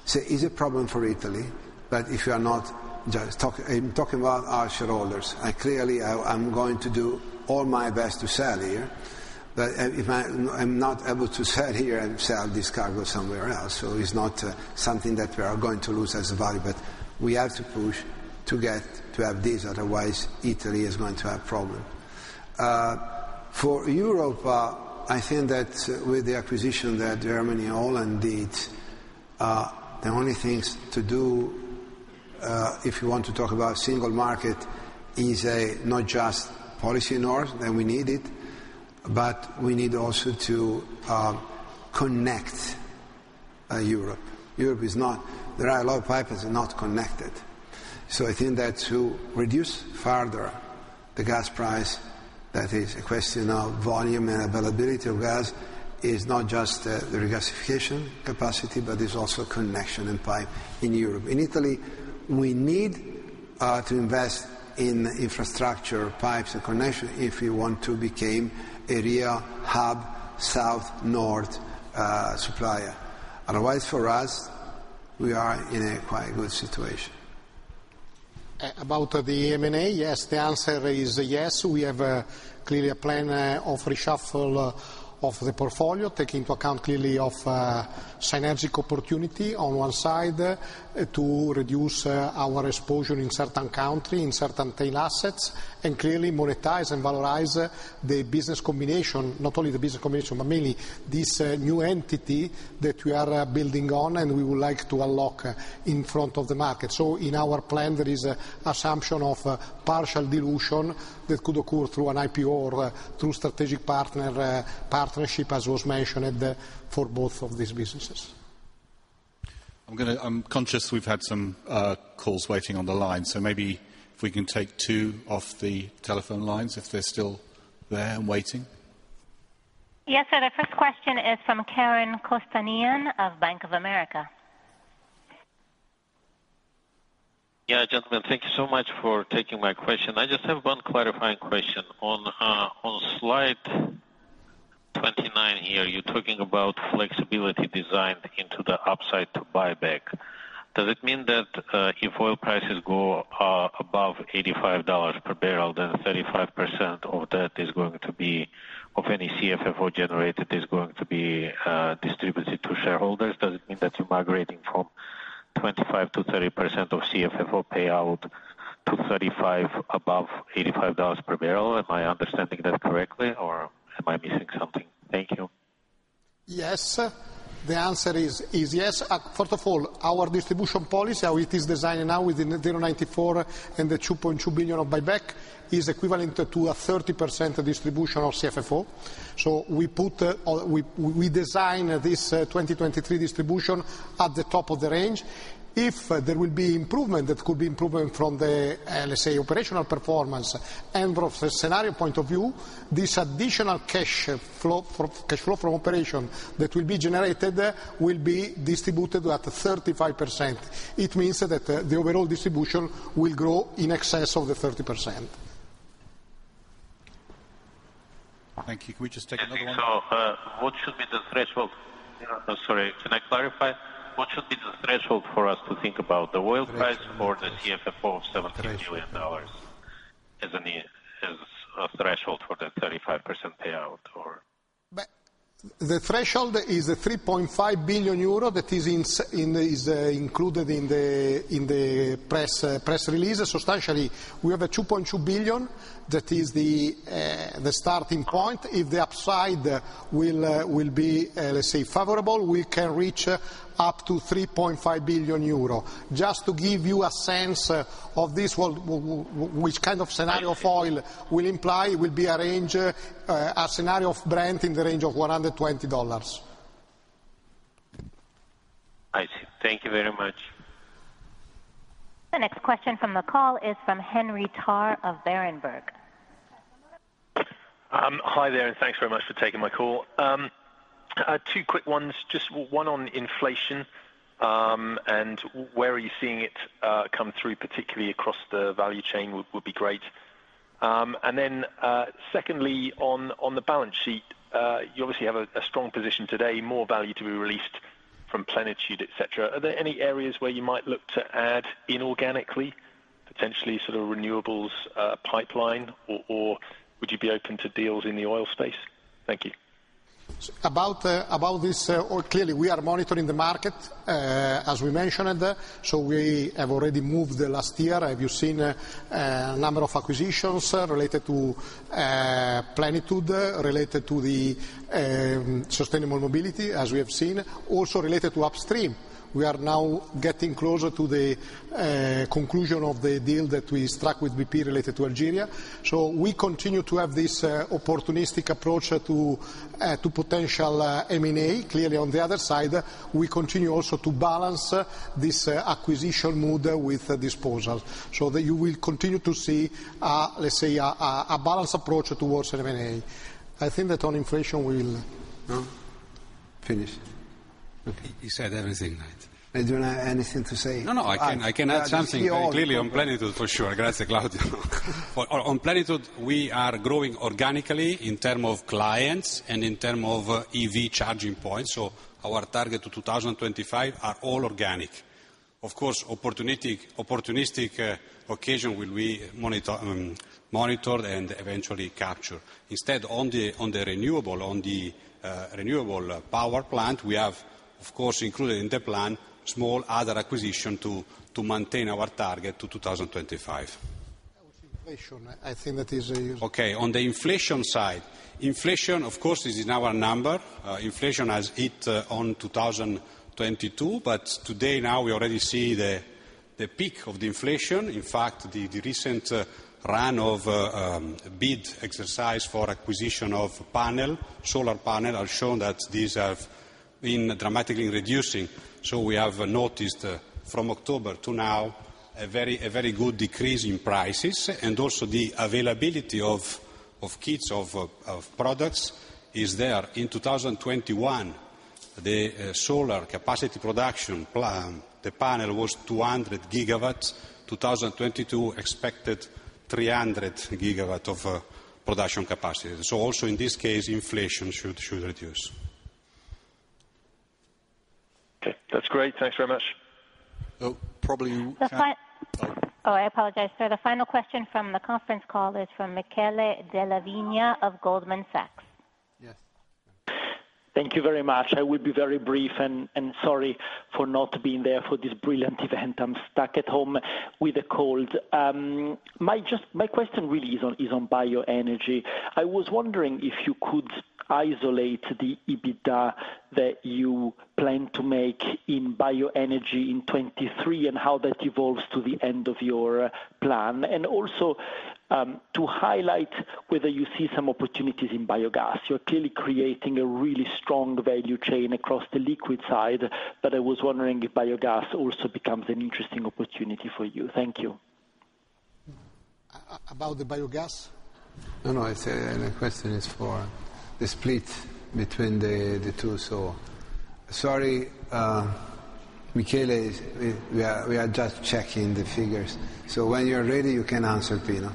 It's a problem for Italy, but if you are not just talking about our shareholders, and clearly I'm going to do all my best to sell here. If I'm not able to sell here, I will sell this cargo somewhere else. It's not something that we are going to lose as a value, but we have to push to get to have this, otherwise Italy is going to have problem. For Europe, I that with the acquisition that Germany, Holland did, the only things to do, if you want to talk about single market is not just policy north, and we need it, but we need also to connect Europe. There are a lot of pipes are not connected. I think that to reduce further the gas price, that is a question of volume and availability of gas, is not just the regasification capacity, but is also connection and pipe in Europe. In Italy, we need to invest in infrastructure pipes and connection if we want to become a real hub, South-North supplier. Otherwise, for us, we are in a quite good situation. About the M&A, yes, the answer is yes. We have clearly a plan of reshuffle of the portfolio, take into account clearly of synergic opportunity on one side, to reduce our exposure in certain country, in certain tail assets, and clearly monetize and valorize the business combination. Not only the business combination, but mainly this new entity that we are building on, and we would like to unlock in front of the market. In our plan, there is an assumption of partial dilution that could occur through an IPO or through strategic partnership, as was mentioned, for both of these businesses. I'm conscious we've had some calls waiting on the line, so maybe if we can take two off the telephone lines, if they're still there and waiting. Yes, sir. The first question is from Karen Kostanian of Bank of America. Yeah, gentlemen, thank you so much for taking my question. I just have one clarifying question. On slide 29 here, you're talking about flexibility designed into the upside to buyback. Does it mean that if oil prices go above $85 per barrel, then 35% of that is going to be, of any CFFO generated, is going to be distributed to shareholders? Does it mean that you're migrating from 25%-30% of CFFO payout to 35% above $85 per barrel? Am I understanding that correctly or am I missing something? Thank you. Yes. The answer is yes. First of all, our distribution policy, how it is designed now with the 0.94 and the 2.2 billion of buyback, is equivalent to a 30% distribution of CFFO. We design this 2023 distribution at the top of the range. If there will be improvement, that could be improvement from the, let's say, operational performance and from the scenario point of view, this additional cash flow from operation that will be generated will be distributed at 35%. It means that the overall distribution will grow in excess of the 30%. Thank you. Can we just take another one? I'm sorry, can I clarify? What should be the threshold for us to think about the oil pricehe CFFO of $17 billion as a threshold for that 35% payout, or? The threshold is 3.5 billion euro. That is in, is included in the press release. Substantially, we have 2.2 billion. That is the starting point. If the upside will be, let's say, favorable, we can reach up to 3.5 billion euro. Just to give you a sense of this, which kind of scenario foil will imply will be a range, a scenario of Brent in the range of $120. I see. Thank you very much. The next question from the call is from Henry Tarr of Berenberg. Hi there, thanks very much for taking my call. Two quick ones, just one on inflation, where are you seeing it come through, particularly across the value chain would be great. Then, secondly, on the balance sheet, you obviously have a strong position today, more value to be released from Plenitude, et cetera. Are there any areas where you might look to add inorganically, potentially sort of renewables pipeline or would you be open to deals in the oil space? Thank you. About this, or clearly, we are monitoring the market, as we mentioned. We have already moved the last year. Have you seen a number of acquisitions related to Plenitude, related to the Sustainable Mobility, as we have seen, also related to upstream. We are now getting closer to the conclusion of the deal that we struck with BP related to Algeria. We continue to have this opportunistic approach to potential M&A. Clearly, on the other side, we continue also to balance this acquisition mode with disposal. That you will continue to see, let's say, a balanced approach towards M&A. I think that on inflation, we'll finish. You said everything right. I don't have anything to say. No, no, I can, I can add something very clearly on Plenitude for sure. Grazie, Claudio. On Plenitude, we are growing organically in term of clients and in term of EV charging points. Our target to 2025 are all organic. Of course, opportunistic occasion will be monitored and eventually captured. Instead, on the renewable power plant, we have, of course, included in the plan small other acquisition to maintain our target to 2025. How is inflation? I think that is. Okay, on the inflation side, inflation, of course, is in our number. Inflation has hit on 2022, but today now we already see the peak of the inflation. In fact, the recent run of bid exercise for acquisition of panel, solar panel, have shown that these have been dramatically reducing. We have noticed from October to now a very good decrease in prices, and also the availability of kits, of products is there. In 2021, the solar capacity production plan, the panel was 200 GW. 2022 expected 300 GW of production capacity. Also in this case, inflation should reduce. Okay. That's great. Thanks very much. Oh, I apologize, sir. The final question from the conference call is from Michele Della Vigna of Goldman Sachs. Thank you very much. I will be very brief, and sorry for not being there for this brilliant event. I'm stuck at home with a cold. My question really is on bioenergy. I was wondering if you could isolate the EBITDA that you plan to make in bioenergy in '23 and how that evolves to the end of your plan. Also, to highlight whether you see some opportunities in biogas. You're clearly creating a really strong value chain across the liquid side, I was wondering if biogas also becomes an interesting opportunity for you. Thank you. About the biogas? No, no, it's the question is for the split between the two. Sorry, Michele, we are just checking the figures. When you're ready, you can answer, Pino.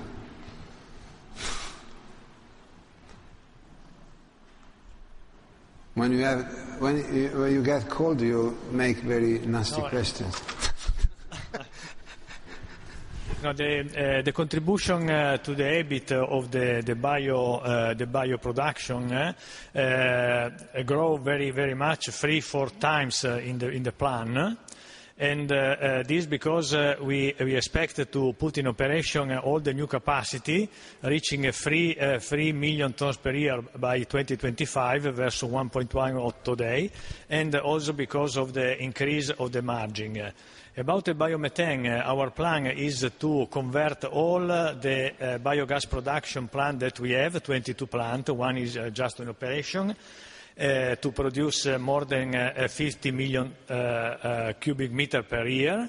When you get cold, you make very nasty questions. No, the contribution to the EBIT of the bio production grow very, very much, 3x, 4x in the plan. This because we expect to put in operation all the new capacity, reaching 3 million tons per year by 2025 versus 1.1 of today, and also because of the increase of the margin. About the biomethane, our plan is to convert all the biogas production plant that we have, 22 plant, one is just in operation, to produce more than 50 million cubic meter per year,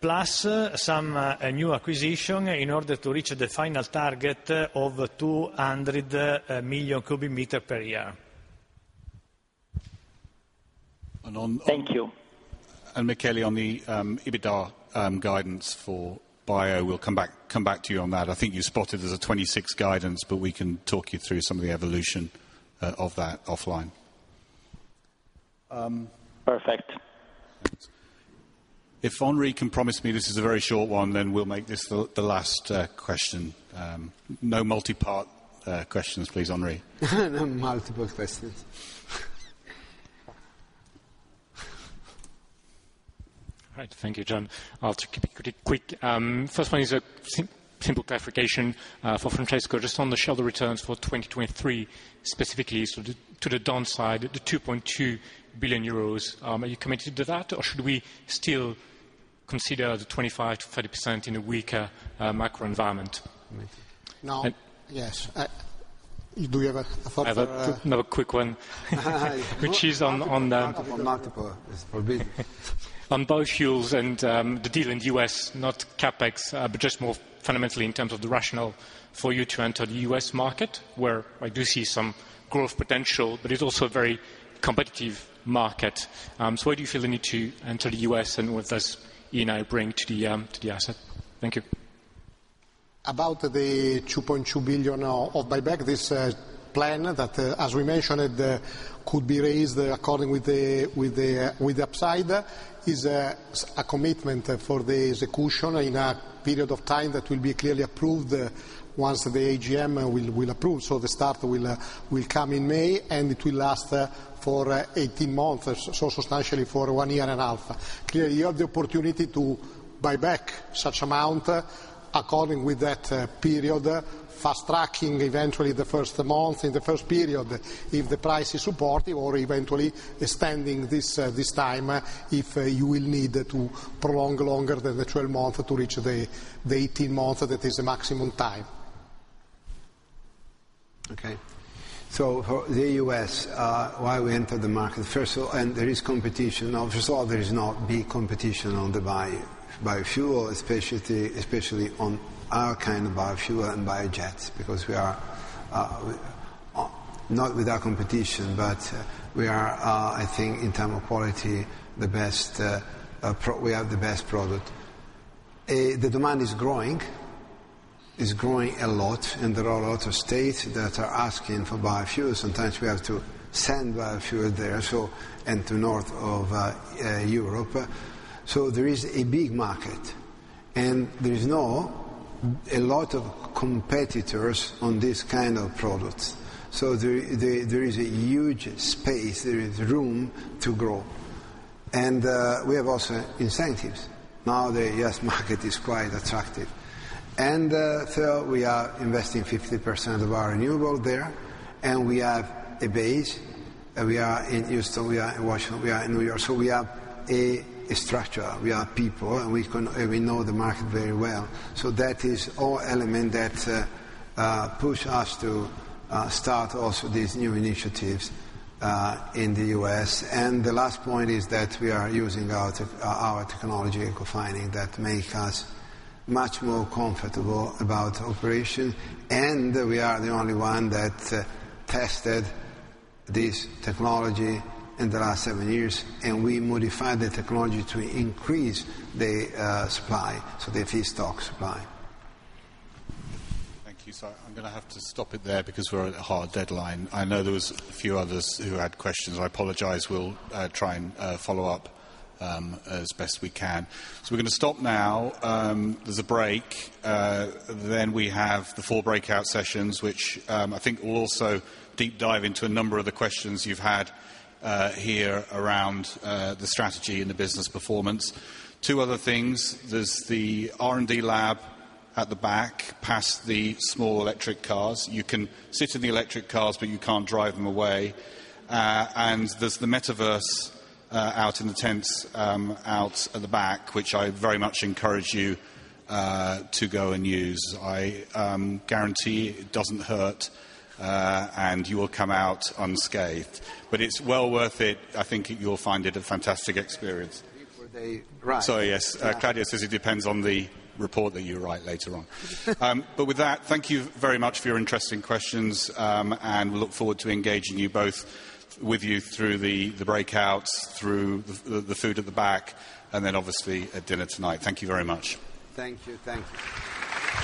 plus some new acquisition in order to reach the final target of 200 million cubic meter per year. Thank you. Michele, on the EBITDA guidance for bio, we'll come back to you on that. I think you spotted there's a '26 guidance, but we can talk you through some of the evolution of that offline. Perfect. If Henri can promise me this is a very short one, then we'll make this the last question. No multipart questions, please, Henri. No multiple questions. All right. Thank you, Jon. I'll keep it pretty quick. First one is a simple clarification for Francesco. Just on the shareholder returns for 2023, specifically to the downside, the 22 billion euros, are you committed to that? Or should we still consider the 25%-30% in a weaker macro environment? No. Yes. Do you have a thought? I have another quick one which is on biofuels and, the deal in the U.S., not CapEx, but just more fundamentally in terms of the rationale for you to enter the U.S. market, where I do see some growth potential, but it's also a very competitive market. Why do you feel the need to enter the U.S., and what does Eni bring to the, to the asset? Thank you. About 2.2 billion of buyback, this plan that as we mentioned, it could be raised according with the upside is a commitment for the execution in a period of time that will be clearly approved once the AGM will approve. The start will come in May, and it will last for 18 months, so substantially for one year and a half. Clearly, you have the opportunity to buy back such amount according with that period, fast-tracking eventually the first month in the first period if the price is supportive or eventually extending this time if you will need to prolong longer than the 12-month to reach the 18-month that is the maximum time. For the U.S., why we entered the market. First of all. There is competition. First of all, there is not big competition on the biofuel, especially on our kind of biofuel and Biojets, because we are Not with our competition, but we are, I think in terms of quality, the best product. The demand is growing. It's growing a lot, and there are a lot of states that are asking for biofuels. Sometimes we have to send biofuel there, so and to north of Europe. There is a big market, and there is no a lot of competitors on this kind of products. There is a huge space, there is room to grow. We have also incentives. Now, the U.S. market is quite attractive. We are investing 50% of our renewable there, and we have a base, and we are in Houston, we are in Washington, we are in New York, so we have a structure. We have people, and we know the market very well. That is all element that push us to start also these new initiatives in the U.S. The last point is that we are using our technology, Ecofining, that make us much more comfortable about operation. We are the only one that tested this technology in the last seven years, and we modified the technology to increase the supply, so the feedstock supply. Thank you. I'm gonna have to stop it there because we're at a hard deadline. I know there was a few others who had questions. I apologize. We'll try and follow up as best we can. We're gonna stop now. There's a break. Then we have the 4 breakout sessions, which I think will also deep dive into a number of the questions you've had here around the strategy and the business performance. Two other things. There's the R&D lab at the back, past the small electric cars. You can sit in the electric cars, but you can't drive them away. There's the metaverse out in the tents out at the back, which I very much encourage you to go and use. I guarantee it doesn't hurt, and you will come out unscathed. It's well worth it. I think you'll find it a fantastic experience. Yes, Claudio says it depends on the report that you write later on. With that, thank you very much for your interesting questions, and look forward to engaging you both with you through the breakouts, through the food at the back, and then obviously at dinner tonight. Thank you very much. Thank you. Thank you.